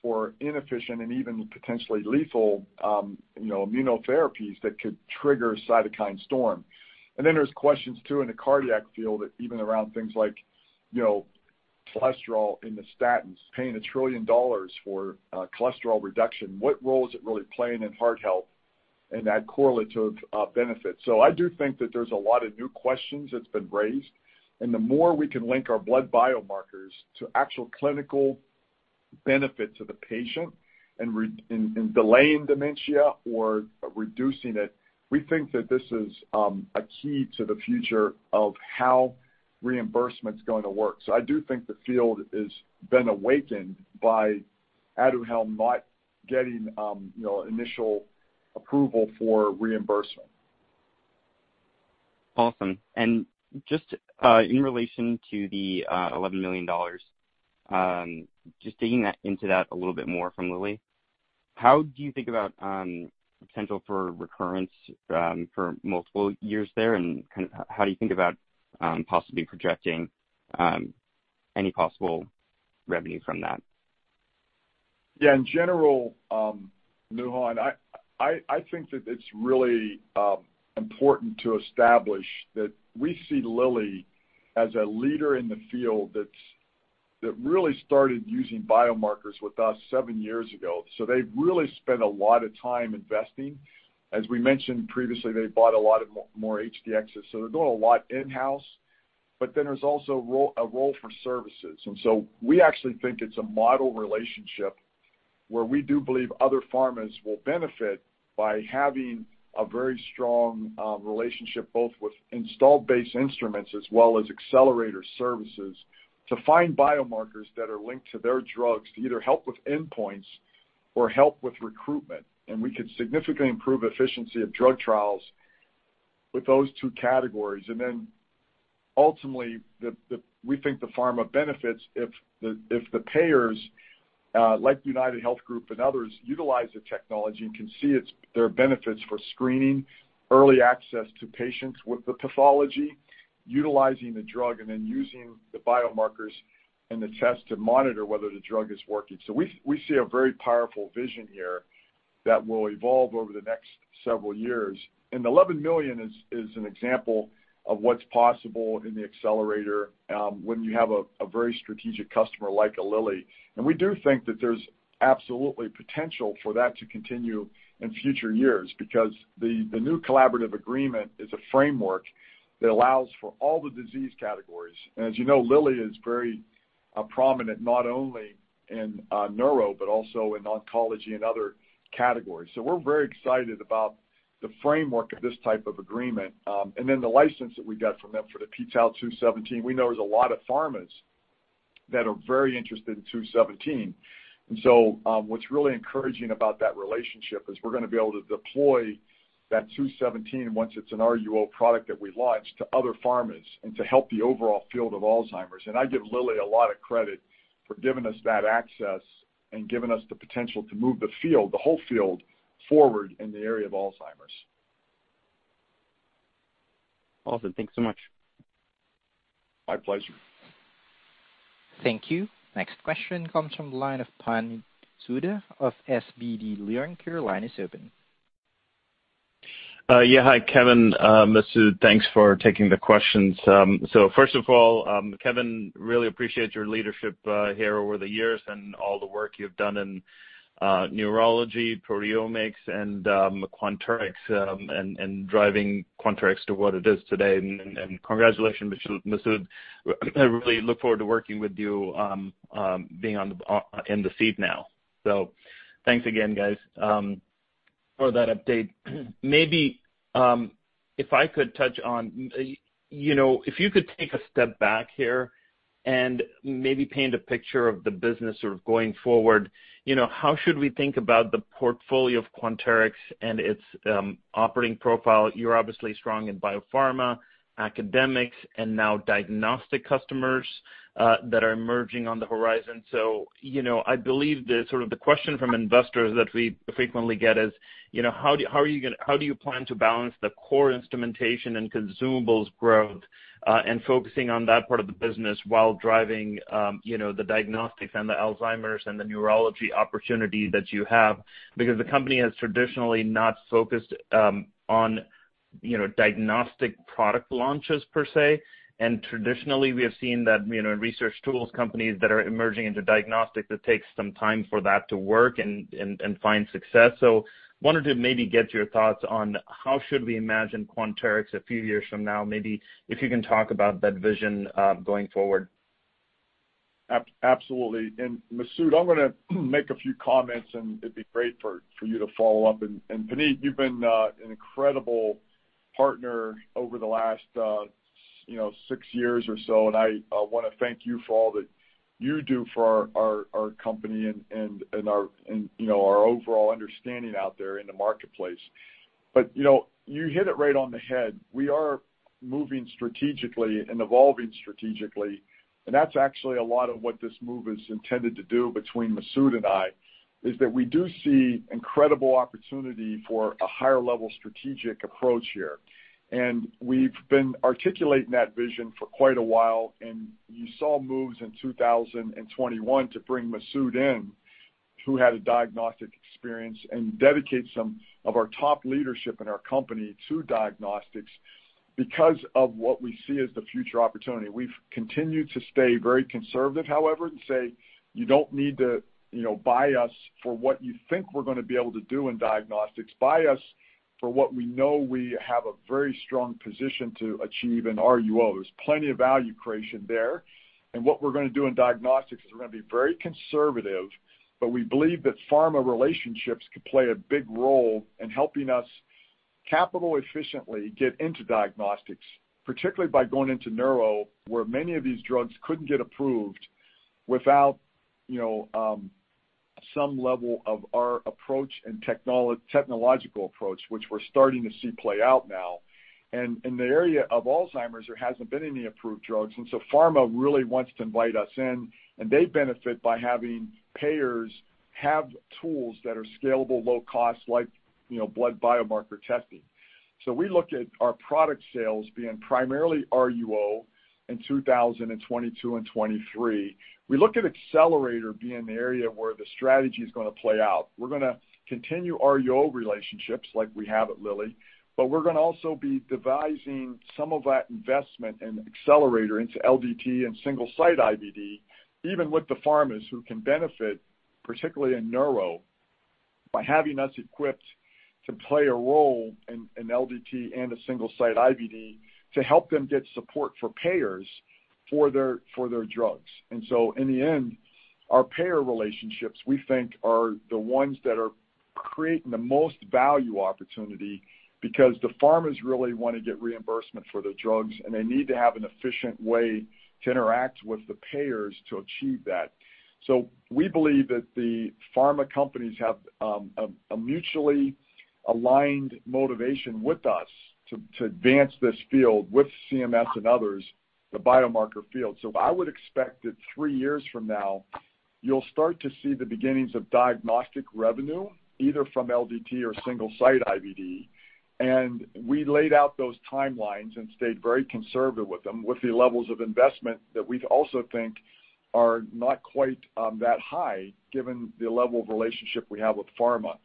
for inefficient and even potentially lethal, you know, immunotherapies that could trigger cytokine storm. Then there's questions, too, in the cardiac field, even around things like, you know, cholesterol in the statins, paying $1 trillion for cholesterol reduction. What role is it really playing in heart health and that correlative benefit? I do think that there's a lot of new questions that's been raised. The more we can link our blood biomarkers to actual clinical benefit to the patient in delaying dementia or reducing it, we think that this is a key to the future of how reimbursement is going to work. I do think the field has been awakened by Aduhelm not getting, you know, initial approval for reimbursement. Awesome. Just in relation to the $11 million from Lilly, just digging into that a little bit more, how do you think about potential for recurrence for multiple years there? Kind of how do you think about possibly projecting any possible revenue from that? Yeah, in general, Noah, I think that it's really important to establish that we see Lilly as a leader in the field that's really started using biomarkers with us seven years ago. They've really spent a lot of time investing. As we mentioned previously, they bought a lot more HD-Xs, so they're doing a lot in-house. Then there's also a role for services. We actually think it's a model relationship where we do believe other pharmas will benefit by having a very strong relationship, both with installed base instruments as well as Accelerator services to find biomarkers that are linked to their drugs to either help with endpoints or help with recruitment. We could significantly improve efficiency of drug trials with those two categories. Ultimately, we think the pharma benefits if the payers like UnitedHealth Group and others utilize the technology and can see its benefits for screening, early access to patients with the pathology, utilizing the drug and then using the biomarkers and the test to monitor whether the drug is working. We see a very powerful vision here that will evolve over the next several years. $11 million is an example of what's possible in the Accelerator when you have a very strategic customer like a Lilly. We do think that there's absolutely potential for that to continue in future years because the new collaborative agreement is a framework that allows for all the disease categories. As you know, Lilly is very prominent not only in neuro but also in oncology and other categories. We're very excited about the framework of this type of agreement. The license that we got from them for the p-tau217, we know there's a lot of pharmas that are very interested in 217. What's really encouraging about that relationship is we're gonna be able to deploy that 217 once it's an RUO product that we launch to other pharmas and to help the overall field of Alzheimer's. I give Lilly a lot of credit for giving us that access and giving us the potential to move the field, the whole field forward in the area of Alzheimer's. Awesome. Thanks so much. My pleasure. Thank you. Next question comes from the line of Puneet Souda of SVB Leerink. Your line is open. Yeah, hi, Kevin. Masoud, thanks for taking the questions. First of all, Kevin, really appreciate your leadership here over the years and all the work you've done in neurology, proteomics and Quanterix, and driving Quanterix to what it is today. Congratulations, Masoud. I really look forward to working with you, being in the seat now. Thanks again, guys, for that update. Maybe, if I could touch on, you know, if you could take a step back here and maybe paint a picture of the business sort of going forward. You know, how should we think about the portfolio of Quanterix and its operating profile? You're obviously strong in biopharma, academics, and now diagnostic customers that are emerging on the horizon. You know, I believe the question from investors that we frequently get is, you know, how do you plan to balance the core instrumentation and consumables growth, and focusing on that part of the business while driving, you know, the diagnostics and the Alzheimer's and the neurology opportunity that you have, because the company has traditionally not focused, you know, on diagnostic product launches, per se. Traditionally, we have seen that, you know, in research tools, companies that are emerging into diagnostic, that takes some time for that to work and find success. I wanted to maybe get your thoughts on how should we imagine Quanterix a few years from now, maybe if you can talk about that vision going forward. Absolutely. Masoud, I'm gonna make a few comments, and it'd be great for you to follow up. Puneet, you've been an incredible partner over the last, you know, six years or so, and I wanna thank you for all that you do for our company and, you know, our overall understanding out there in the marketplace. You know, you hit it right on the head. We are moving strategically and evolving strategically, and that's actually a lot of what this move is intended to do between Masoud and I, is that we do see incredible opportunity for a higher level strategic approach here. We've been articulating that vision for quite a while, and you saw moves in 2021 to bring Masoud in, who had a diagnostic experience, and dedicate some of our top leadership in our company to diagnostics because of what we see as the future opportunity. We've continued to stay very conservative, however, and say you don't need to, you know, buy us for what you think we're gonna be able to do in diagnostics. Buy us for what we know we have a very strong position to achieve in RUO. There's plenty of value creation there. What we're gonna do in diagnostics is we're gonna be very conservative, but we believe that pharma relationships could play a big role in helping us capital efficiently get into diagnostics, particularly by going into neuro, where many of these drugs couldn't get approved without, you know, some level of our approach and technological approach, which we're starting to see play out now. In the area of Alzheimer's, there hasn't been any approved drugs, and so pharma really wants to invite us in, and they benefit by having payers have tools that are scalable, low cost, like, you know, blood biomarker testing. We look at our product sales being primarily RUO in 2022 and 2023. We look at Accelerator being the area where the strategy is gonna play out. We're gonna continue RUO relationships like we have at Lilly, but we're gonna also be devising some of that investment in Accelerator into LDT and single-site IVD, even with the pharmas who can benefit, particularly in neuro, by having us equipped to play a role in LDT and a single-site IVD to help them get support for payers for their drugs. In the end, our payer relationships, we think are the ones that are creating the most value opportunity because the pharmas really wanna get reimbursement for their drugs, and they need to have an efficient way to interact with the payers to achieve that. We believe that the pharma companies have a mutually aligned motivation with us to advance this field with CMS and others, the biomarker field. I would expect that three years from now, you'll start to see the beginnings of diagnostic revenue, either from LDT or single-site IVD. We laid out those timelines and stayed very conservative with them with the levels of investment that we also think are not quite that high given the level of relationship we have with pharma.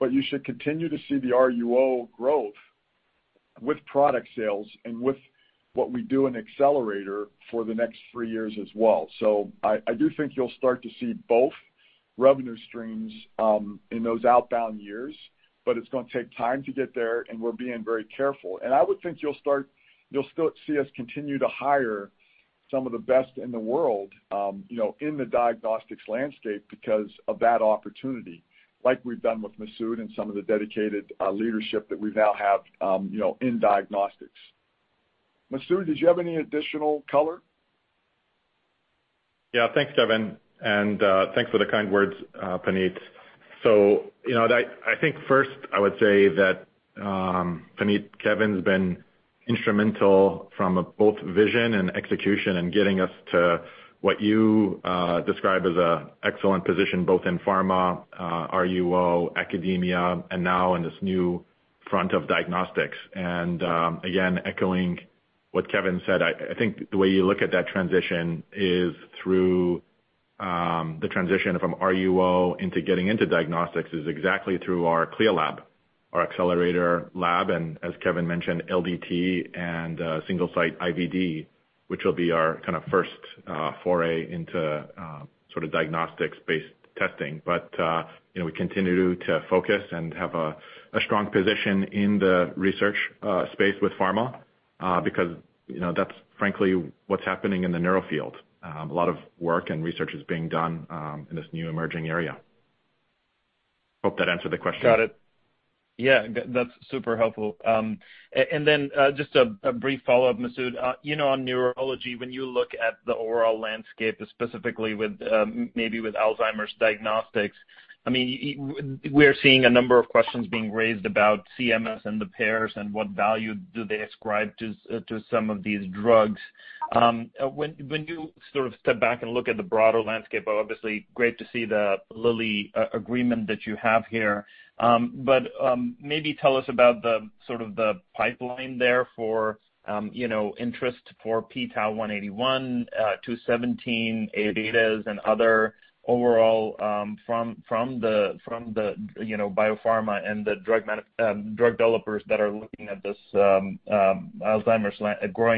You should continue to see the RUO growth with product sales and with what we do in Accelerator for the next three years as well. I do think you'll start to see both revenue streams in those outbound years, but it's gonna take time to get there, and we're being very careful. I would think you'll still see us continue to hire some of the best in the world, you know, in the diagnostics landscape because of that opportunity, like we've done with Masoud and some of the dedicated leadership that we now have, you know, in diagnostics. Masoud, did you have any additional color? Yeah. Thanks, Kevin. Thanks for the kind words, Puneet. You know, I think first I would say that, Puneet, Kevin's been instrumental from both vision and execution and getting us to what you describe as a excellent position both in pharma, RUO, academia, and now in this new front of diagnostics. Again, echoing what Kevin said, I think the way you look at that transition is through the transition from RUO into getting into diagnostics is exactly through our CLIA Lab, our Accelerator Lab, and as Kevin mentioned, LDT and single-site IVD, which will be our kinda first foray into sorta diagnostics-based testing. We continue to focus and have a strong position in the research space with pharma, because, you know, that's frankly what's happening in the neuro field. A lot of work and research is being done in this new emerging area. Hope that answered the question. Got it. Yeah. That's super helpful. Then just a brief follow-up, Masoud. You know, on neurology, when you look at the overall landscape, specifically, maybe with Alzheimer's diagnostics, I mean, we're seeing a number of questions being raised about CMS and the payers and what value do they ascribe to some of these drugs. When you sort of step back and look at the broader landscape, obviously great to see the Lilly agreement that you have here. Maybe tell us about the sort of pipeline there for, you know, interest for p-tau181, 217, Aβs and other overall, from the you know, biopharma and the drug developers that are looking at this, growing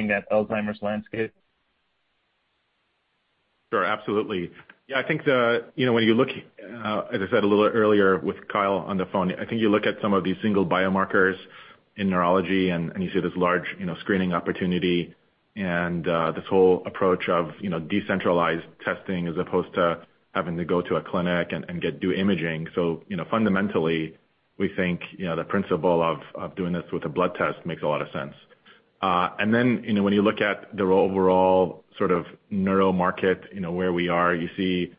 that Alzheimer's landscape. Sure, absolutely. Yeah, I think, you know, when you look, as I said a little earlier with Kyle on the phone, I think you look at some of these single biomarkers in neurology, and you see this large, you know, screening opportunity and this whole approach of, you know, decentralized testing as opposed to having to go to a clinic and do imaging. You know, fundamentally, we think, you know, the principle of doing this with a blood test makes a lot of sense. And then, you know, when you look at the overall sort of neuro market, you know, where we are, you see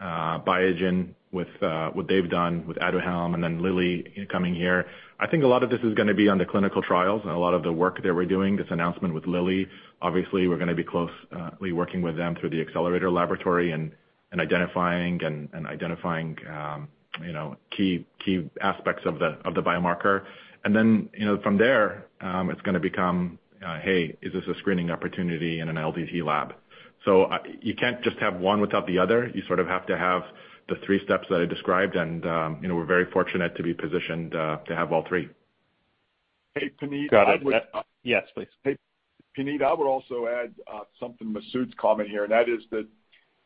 Biogen with what they've done with Aduhelm and then Lilly coming here. I think a lot of this is gonna be on the clinical trials and a lot of the work that we're doing, this announcement with Lilly. Obviously, we're gonna be closely working with them through the Accelerator Laboratory and identifying key aspects of the biomarker. Then, you know, from there, it's gonna become, hey, is this a screening opportunity in an LDT lab? You can't just have one without the other. You sort of have to have the three steps that I described and, you know, we're very fortunate to be positioned to have all three. Hey, Puneet, I would. Got it. Yes, please. Hey, Puneet, I would also add something to Masoud's comment here, and that is that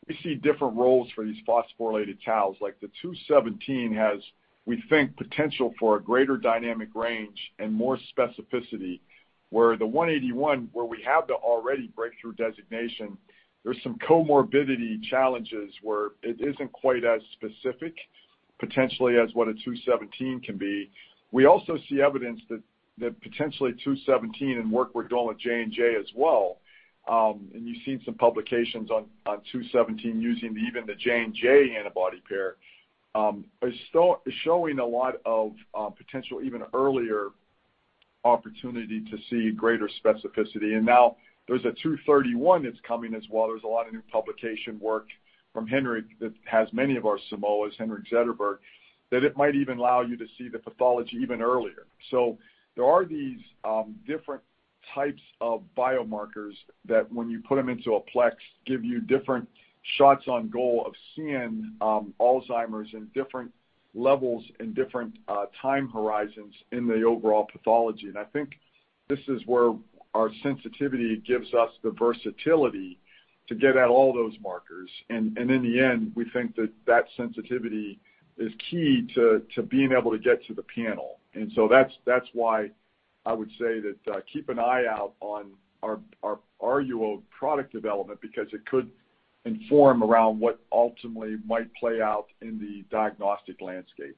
we see different roles for these phosphorylated taus. Like, the 217 has, we think, potential for a greater dynamic range and more specificity. Where the 181, where we have the already breakthrough designation, there's some comorbidity challenges where it isn't quite as specific potentially as what a 217 can be. We also see evidence that potentially 217 and work we're doing with J&J as well, and you've seen some publications on 217 using even the J&J antibody pair, is showing a lot of potential, even earlier opportunity to see greater specificity. Now there's a 231 that's coming as well. There's a lot of new publication work from Henrik that has many of our Simoas, Henrik Zetterberg, that it might even allow you to see the pathology even earlier. There are these different types of biomarkers that, when you put them into a plex, give you different shots on goal of seeing Alzheimer's in different levels and different time horizons in the overall pathology. I think this is where our sensitivity gives us the versatility to get at all those markers. In the end, we think that that sensitivity is key to being able to get to the panel. That's why I would say that keep an eye out on our RUO product development because it could inform around what ultimately might play out in the diagnostic landscape.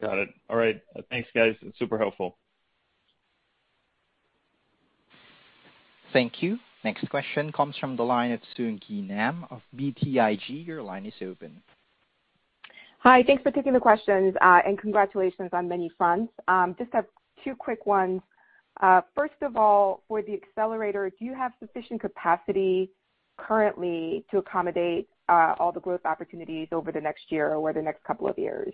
Got it. All right. Thanks, guys. It's super helpful. Thank you. Next question comes from the line of Sung Ji Nam of BTIG. Your line is open. Hi. Thanks for taking the questions, and congratulations on many fronts. I just have two quick ones. First of all, for the Accelerator, do you have sufficient capacity currently to accommodate all the growth opportunities over the next year or the next couple of years?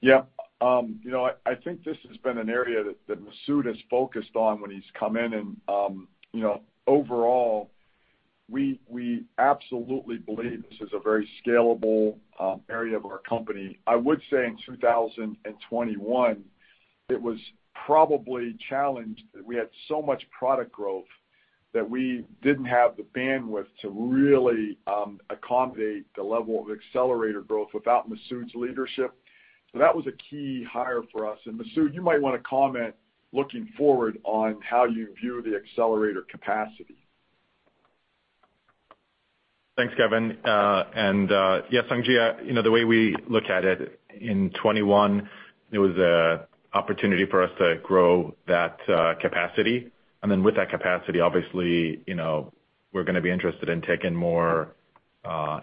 Yeah. You know, I think this has been an area that Masoud has focused on when he's come in and, you know, overall, we absolutely believe this is a very scalable area of our company. I would say in 2021, it was probably a challenge that we had so much product growth that we didn't have the bandwidth to really accommodate the level of Accelerator growth without Masoud's leadership. That was a key hire for us. Masoud, you might wanna comment, looking forward on how you view the Accelerator capacity. Thanks, Kevin. Sung Ji Nam, you know, the way we look at it, in 2021, it was an opportunity for us to grow that capacity. With that capacity, obviously, you know, we're gonna be interested in taking more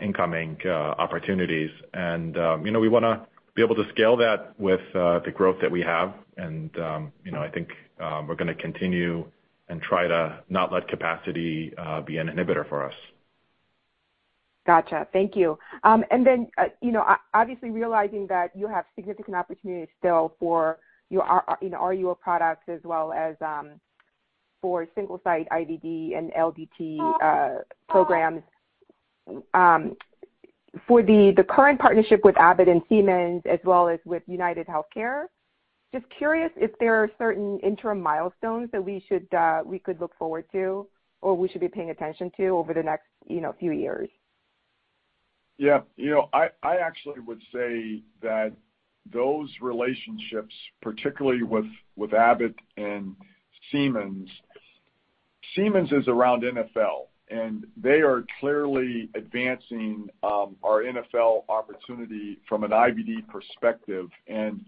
incoming opportunities. You know, we wanna be able to scale that with the growth that we have. You know, I think we're gonna continue and try to not let capacity be an inhibitor for us. Gotcha. Thank you. You know, obviously realizing that you have significant opportunities still for your RUO products as well as for single-site IVD and LDT programs for the current partnership with Abbott and Siemens, as well as with UnitedHealthcare, just curious if there are certain interim milestones that we could look forward to or we should be paying attention to over the next few years. Yeah. You know, I actually would say that those relationships, particularly with Abbott and Siemens. Siemens is around NfL, and they are clearly advancing our NfL opportunity from an IVD perspective, and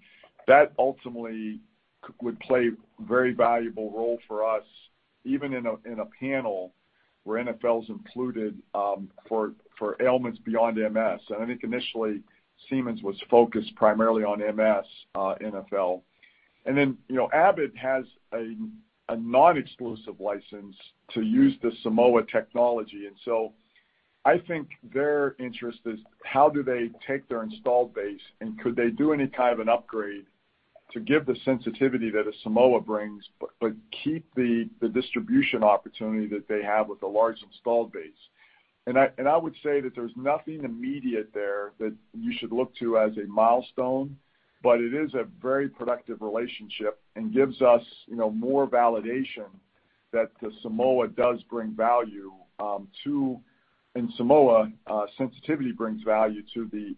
that ultimately would play very valuable role for us even in a panel where NfL is included, for ailments beyond MS. I think initially, Siemens was focused primarily on MS, NfL. Then, you know, Abbott has a non-exclusive license to use the Simoa technology. So I think their interest is how do they take their installed base and could they do any kind of an upgrade to give the sensitivity that a Simoa brings, but keep the distribution opportunity that they have with the large installed base. I would say that there's nothing immediate there that you should look to as a milestone, but it is a very productive relationship and gives us, you know, more validation that the Simoa does bring value. The Simoa sensitivity brings value to the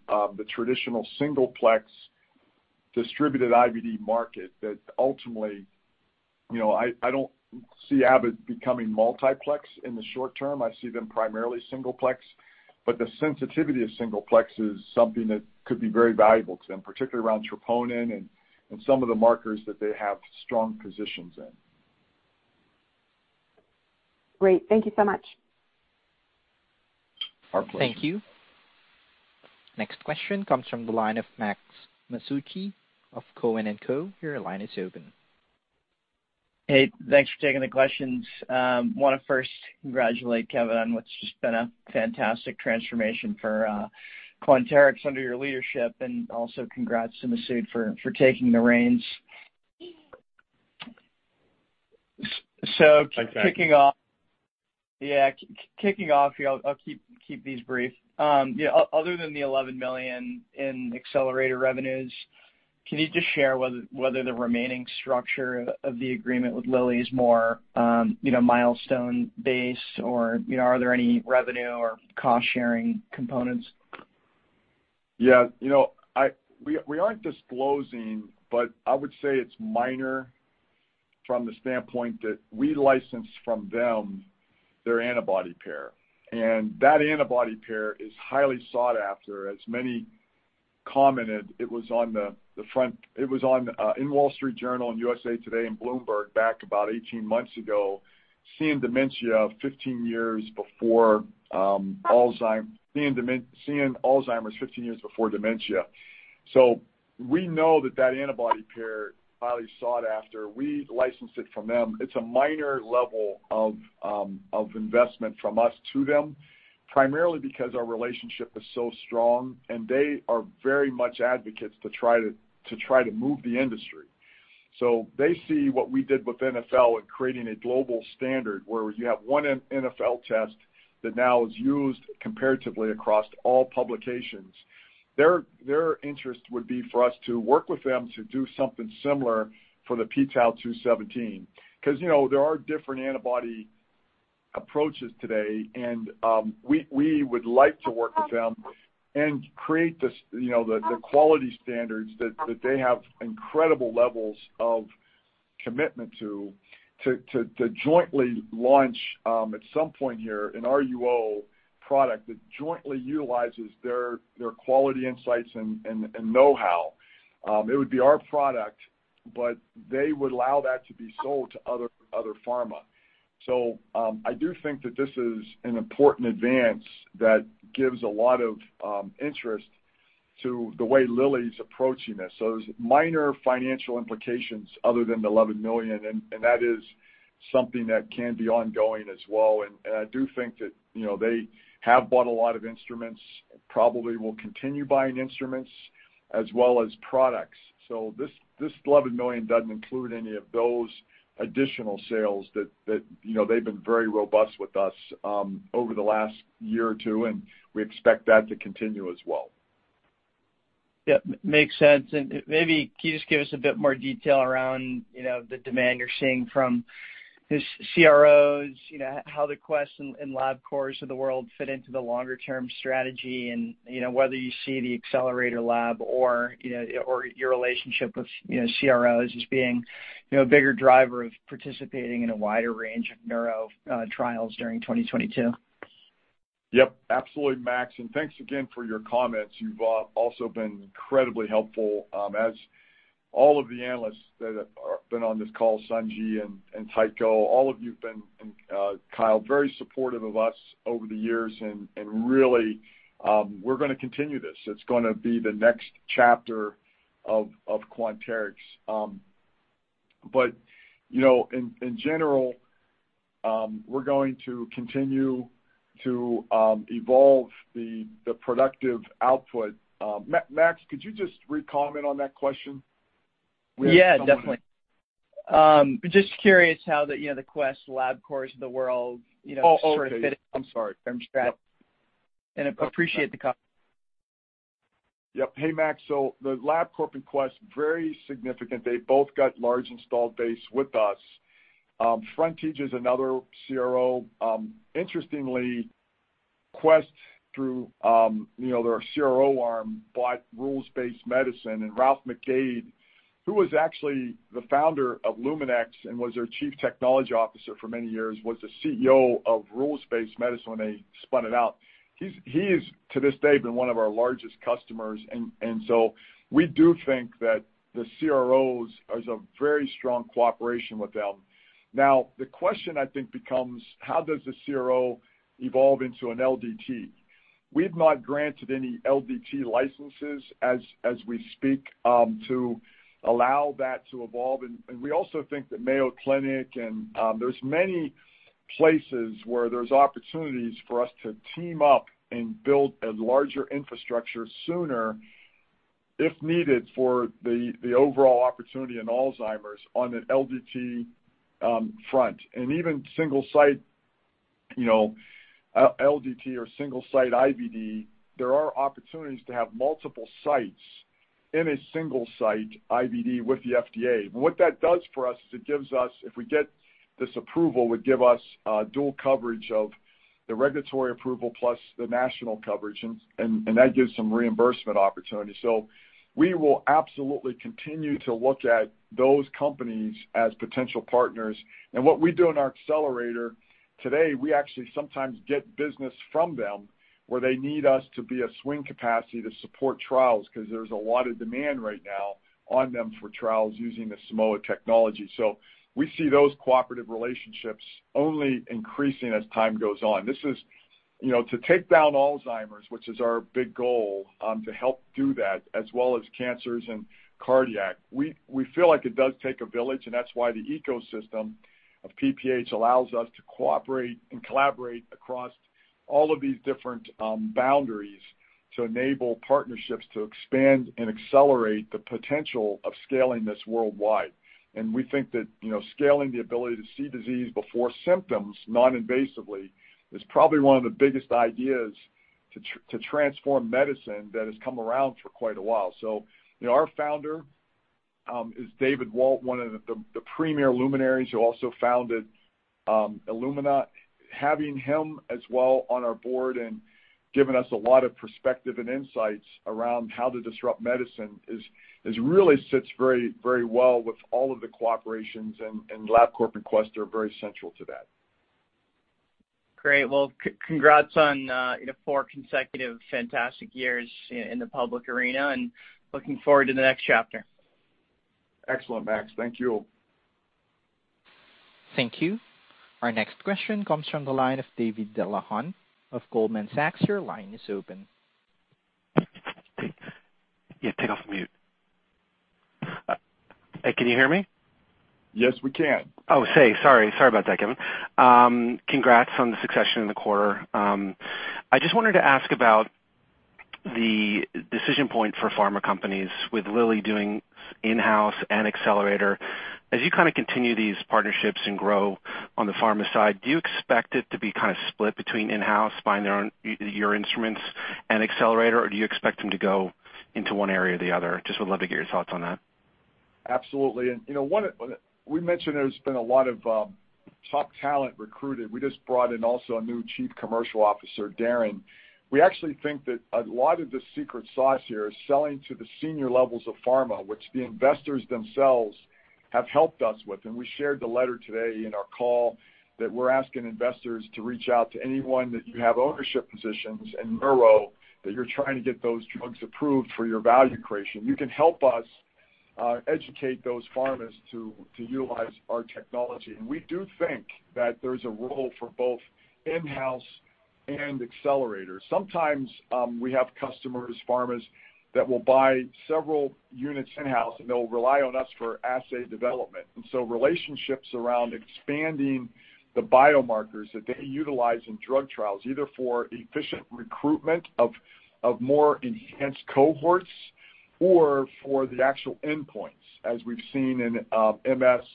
traditional singleplex distributed IVD market that ultimately, you know, I don't see Abbott becoming multiplex in the short term. I see them primarily singleplex. The sensitivity of singleplex is something that could be very valuable to them, particularly around troponin and some of the markers that they have strong positions in. Great. Thank you so much. Our pleasure. Thank you. Next question comes from the line of Max Masucci of Cowen. Your line is open. Hey, thanks for taking the questions. Wanna first congratulate Kevin on what's just been a fantastic transformation for Quanterix under your leadership, and also congrats to Masoud Toloue for taking the reins. Thanks, Max. Kicking off here, I'll keep these brief. Other than the $11 million in Accelerator revenues, can you just share whether the remaining structure of the agreement with Lilly is more, you know, milestone-based, or, you know, are there any revenue or cost-sharing components? You know, we aren't disclosing, but I would say it's minor from the standpoint that we licensed from them their antibody pair. That antibody pair is highly sought after. As many commented, it was in The Wall Street Journal and USA Today and Bloomberg back about 18 months ago, seeing Alzheimer's 15 years before dementia. We know that antibody pair, highly sought after. We licensed it from them. It's a minor level of investment from us to them, primarily because our relationship is so strong and they are very much advocates to try to move the industry. They see what we did with NfL in creating a global standard where you have one NfL test that now is used comparatively across all publications. Their interest would be for us to work with them to do something similar for the p-tau217. 'Cause, you know, there are different antibody approaches today and we would like to work with them and create this, you know, the quality standards that they have incredible levels of commitment to to jointly launch at some point here an RUO product that jointly utilizes their quality insights and know-how. It would be our product, but they would allow that to be sold to other pharma. I do think that this is an important advance that gives a lot of interest to the way Lilly's approaching this. There's minor financial implications other than the $11 million, and that is something that can be ongoing as well. I do think that, you know, they have bought a lot of instruments, probably will continue buying instruments as well as products. This $11 million doesn't include any of those additional sales that, you know, they've been very robust with us over the last year or two, and we expect that to continue as well. Yep, makes sense. Maybe can you just give us a bit more detail around, you know, the demand you're seeing from the CROs, you know, how the Quest and Labcorp of the world fit into the longer term strategy and, you know, whether you see the Accelerator lab or, you know, or your relationship with, you know, CROs as being, you know, a bigger driver of participating in a wider range of neuro trials during 2022? Yep, absolutely, Max. Thanks again for your comments. You've also been incredibly helpful, as all of the analysts that have been on this call, Sung Ji and Tycho Peterson, all of you've been, and Kyle Mikson, very supportive of us over the years, and really, we're gonna continue this. It's gonna be the next chapter of Quanterix. You know, in general, we're going to continue to evolve the productive output. Max, could you just re-comment on that question? Yeah, definitely. Just curious how the, you know, the Quest, Labcorp of the world, you know, sort of fit in- Oh, okay. I'm sorry. Term strategy. Appreciate the comment. Yep. Hey, Max. The Labcorp and Quest, very significant. They both got large installed base with us. Frontage is another CRO. Interestingly, Quest through, you know, their CRO arm bought Rules-Based Medicine and Ralph McDade, who was actually the founder of Luminex and was their chief technology officer for many years, was the CEO of Rules-Based Medicine when they spun it out. He is to this day been one of our largest customers and so we do think that the CROs, there's a very strong cooperation with them. Now, the question I think becomes how does a CRO evolve into an LDT? We have not granted any LDT licenses as we speak to allow that to evolve. We also think that Mayo Clinic and there's many places where there's opportunities for us to team up and build a larger infrastructure sooner, if needed, for the overall opportunity in Alzheimer's on an LDT front. Even single site, you know, LDT or single site IVD, there are opportunities to have multiple sites in a single site IVD with the FDA. What that does for us is it gives us, if we get this approval, would give us dual coverage of the regulatory approval plus the national coverage, and that gives some reimbursement opportunities. We will absolutely continue to look at those companies as potential partners. What we do in our accelerator today, we actually sometimes get business from them where they need us to be a swing capacity to support trials because there's a lot of demand right now on them for trials using the Simoa technology. We see those cooperative relationships only increasing as time goes on. This is, you know, to take down Alzheimer's, which is our big goal, to help do that, as well as cancers and cardiac. We feel like it does take a village, and that's why the ecosystem of PPH allows us to cooperate and collaborate across all of these different boundaries to enable partnerships to expand and accelerate the potential of scaling this worldwide. We think that, you know, scaling the ability to see disease before symptoms noninvasively is probably one of the biggest ideas to transform medicine that has come around for quite a while. You know, our founder is David Walt, one of the premier luminaries who also founded Illumina. Having him as well on our board and giving us a lot of perspective and insights around how to disrupt medicine is really sits very, very well with all of the corporations and Labcorp and Quest are very central to that. Great. Well, congrats on four consecutive fantastic years in the public arena, and looking forward to the next chapter. Excellent, Max. Thank you. Thank you. Our next question comes from the line of Dan Brennan of Goldman Sachs. Your line is open. Yeah, take off mute. Hey, can you hear me? Yes, we can. Oh, sorry. Sorry about that, Kevin. Congrats on the success in the quarter. I just wanted to ask about the decision point for pharma companies with Lilly doing in-house and Accelerator. As you kind of continue these partnerships and grow on the pharma side, do you expect it to be kind of split between in-house buying their own, your instruments and Accelerator, or do you expect them to go into one area or the other? Just would love to get your thoughts on that. Absolutely. You know, we mentioned there's been a lot of top talent recruited. We just brought in also a new Chief Commercial Officer, Darren. We actually think that a lot of the secret sauce here is selling to the senior levels of pharma, which the investors themselves have helped us with. We shared the letter today in our call that we're asking investors to reach out to anyone that you have ownership positions in neuro that you're trying to get those drugs approved for your value creation. You can help us educate those pharmas to utilize our technology. We do think that there's a role for both in-house and Accelerators. Sometimes, we have customers, pharmas that will buy several units in-house, and they'll rely on us for assay development. Relationships around expanding the biomarkers that they utilize in drug trials, either for efficient recruitment of more enhanced cohorts or for the actual endpoints, as we've seen in MS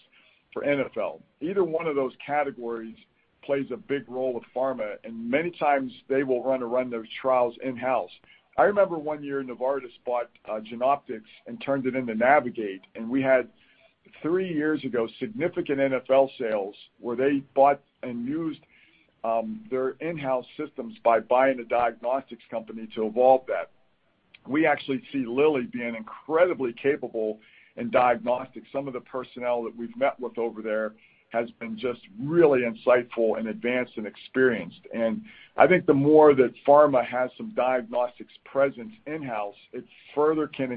for NfL. Either one of those categories plays a big role with pharma, and many times they will run those trials in-house. I remember one year Novartis bought Genoptix and turned it into Navigate, and we had three years ago significant NfL sales where they bought and used their in-house systems by buying a diagnostics company to evolve that. We actually see Lilly being incredibly capable in diagnostics. Some of the personnel that we've met with over there has been just really insightful and advanced and experienced. I think the more that pharma has some diagnostics presence in-house, it further can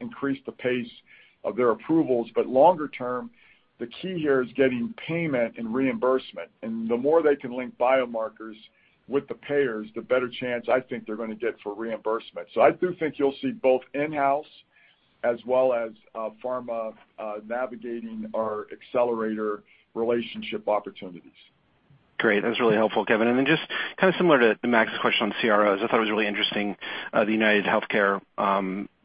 increase the pace of their approvals. Longer term, the key here is getting payment and reimbursement. The more they can link biomarkers with the payers, the better chance I think they're gonna get for reimbursement. I do think you'll see both in-house as well as, pharma, navigating our accelerator relationship opportunities. Great. That was really helpful, Kevin. Then just kind of similar to Max's question on CROs, I thought it was really interesting, the UnitedHealthcare,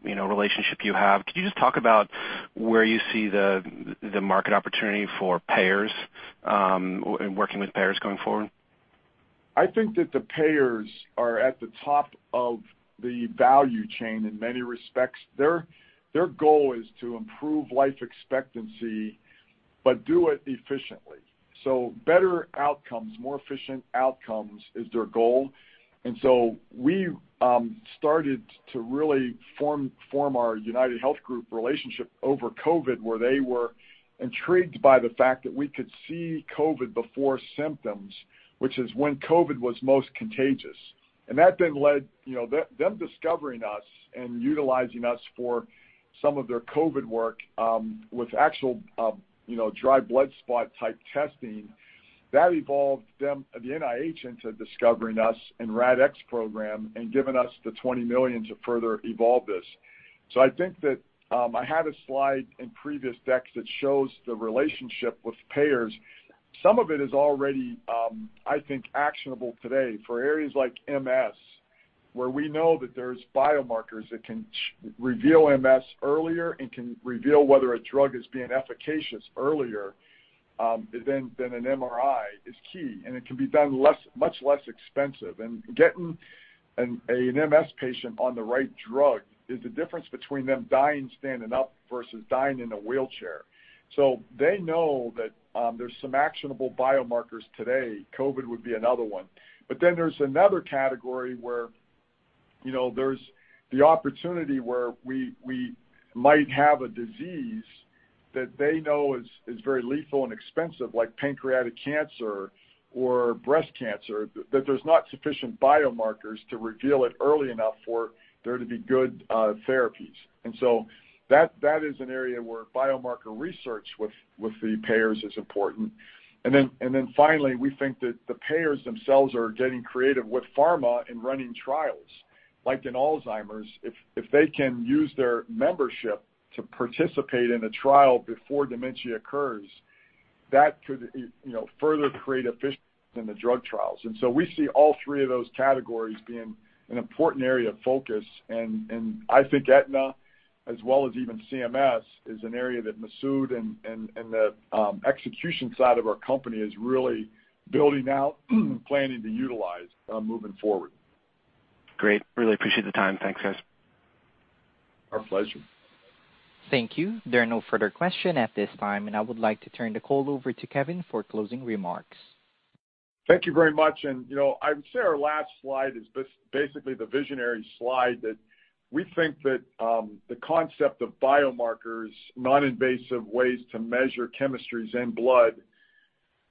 you know, relationship you have. Could you just talk about where you see the market opportunity for payers in working with payers going forward? I think that the payers are at the top of the value chain in many respects. Their goal is to improve life expectancy. But do it efficiently. Better outcomes, more efficient outcomes is their goal. We started to really form our UnitedHealth Group relationship over COVID, where they were intrigued by the fact that we could see COVID before symptoms, which is when COVID was most contagious. That then led, you know, them discovering us and utilizing us for some of their COVID work with actual, you know, dried blood spot type testing. That evolved to the NIH discovering us and RADx program and giving us the $20 million to further evolve this. I think that I had a slide in previous decks that shows the relationship with payers. Some of it is already, I think, actionable today. For areas like MS, where we know that there's biomarkers that can reveal MS earlier and can reveal whether a drug is being efficacious earlier than an MRI is key, and it can be done much less expensive. Getting an MS patient on the right drug is the difference between them dying standing up versus dying in a wheelchair. They know that there's some actionable biomarkers today. COVID would be another one. There's another category where you know there's the opportunity where we might have a disease that they know is very lethal and expensive, like pancreatic cancer or breast cancer, that there's not sufficient biomarkers to reveal it early enough for there to be good therapies. That is an area where biomarker research with the payers is important. Finally, we think that the payers themselves are getting creative with pharma in running trials, like in Alzheimer's. If they can use their membership to participate in a trial before dementia occurs, that could, you know, further create efficiency in the drug trials. We see all three of those categories being an important area of focus. I think Aetna as well as even CMS is an area that Masoud and the execution side of our company is really building out and planning to utilize moving forward. Great. Really appreciate the time. Thanks, guys. Our pleasure. Thank you. There are no further questions at this time, and I would like to turn the call over to Kevin for closing remarks. Thank you very much. You know, I would say our last slide is basically the visionary slide, that we think that the concept of biomarkers, non-invasive ways to measure chemistries in blood,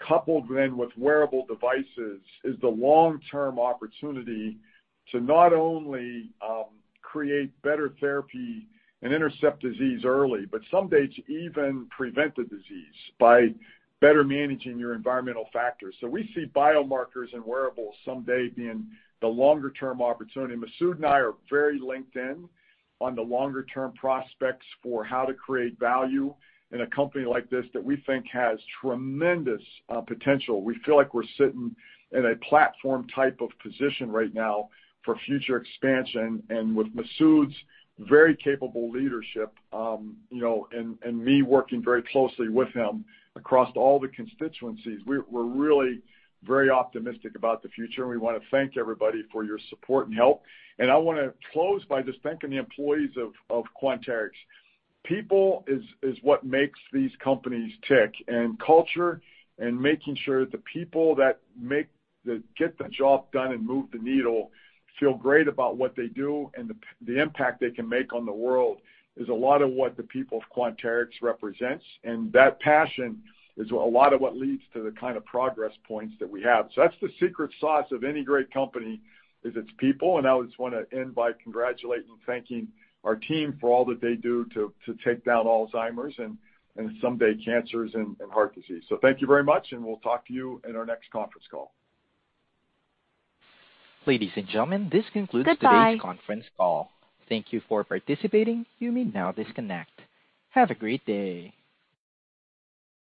coupled then with wearable devices, is the long-term opportunity to not only create better therapy and intercept disease early, but someday to even prevent the disease by better managing your environmental factors. We see biomarkers and wearables someday being the longer term opportunity. Masoud and I are very linked in on the longer term prospects for how to create value in a company like this that we think has tremendous potential. We feel like we're sitting in a platform type of position right now for future expansion. With Masoud's very capable leadership, me working very closely with him across all the constituencies, we're really very optimistic about the future, and we wanna thank everybody for your support and help. I wanna close by just thanking the employees of Quanterix. People is what makes these companies tick. Culture and making sure the people that get the job done and move the needle feel great about what they do and the impact they can make on the world is a lot of what the people of Quanterix represents. That passion is a lot of what leads to the kind of progress points that we have. That's the secret sauce of any great company, is its people, and I just wanna end by congratulating, thanking our team for all that they do to take down Alzheimer's and someday cancers and heart disease. Thank you very much, and we'll talk to you in our next conference call. Ladies and gentlemen, this concludes. Goodbye Today's conference call. Thank you for participating. You may now disconnect. Have a great day.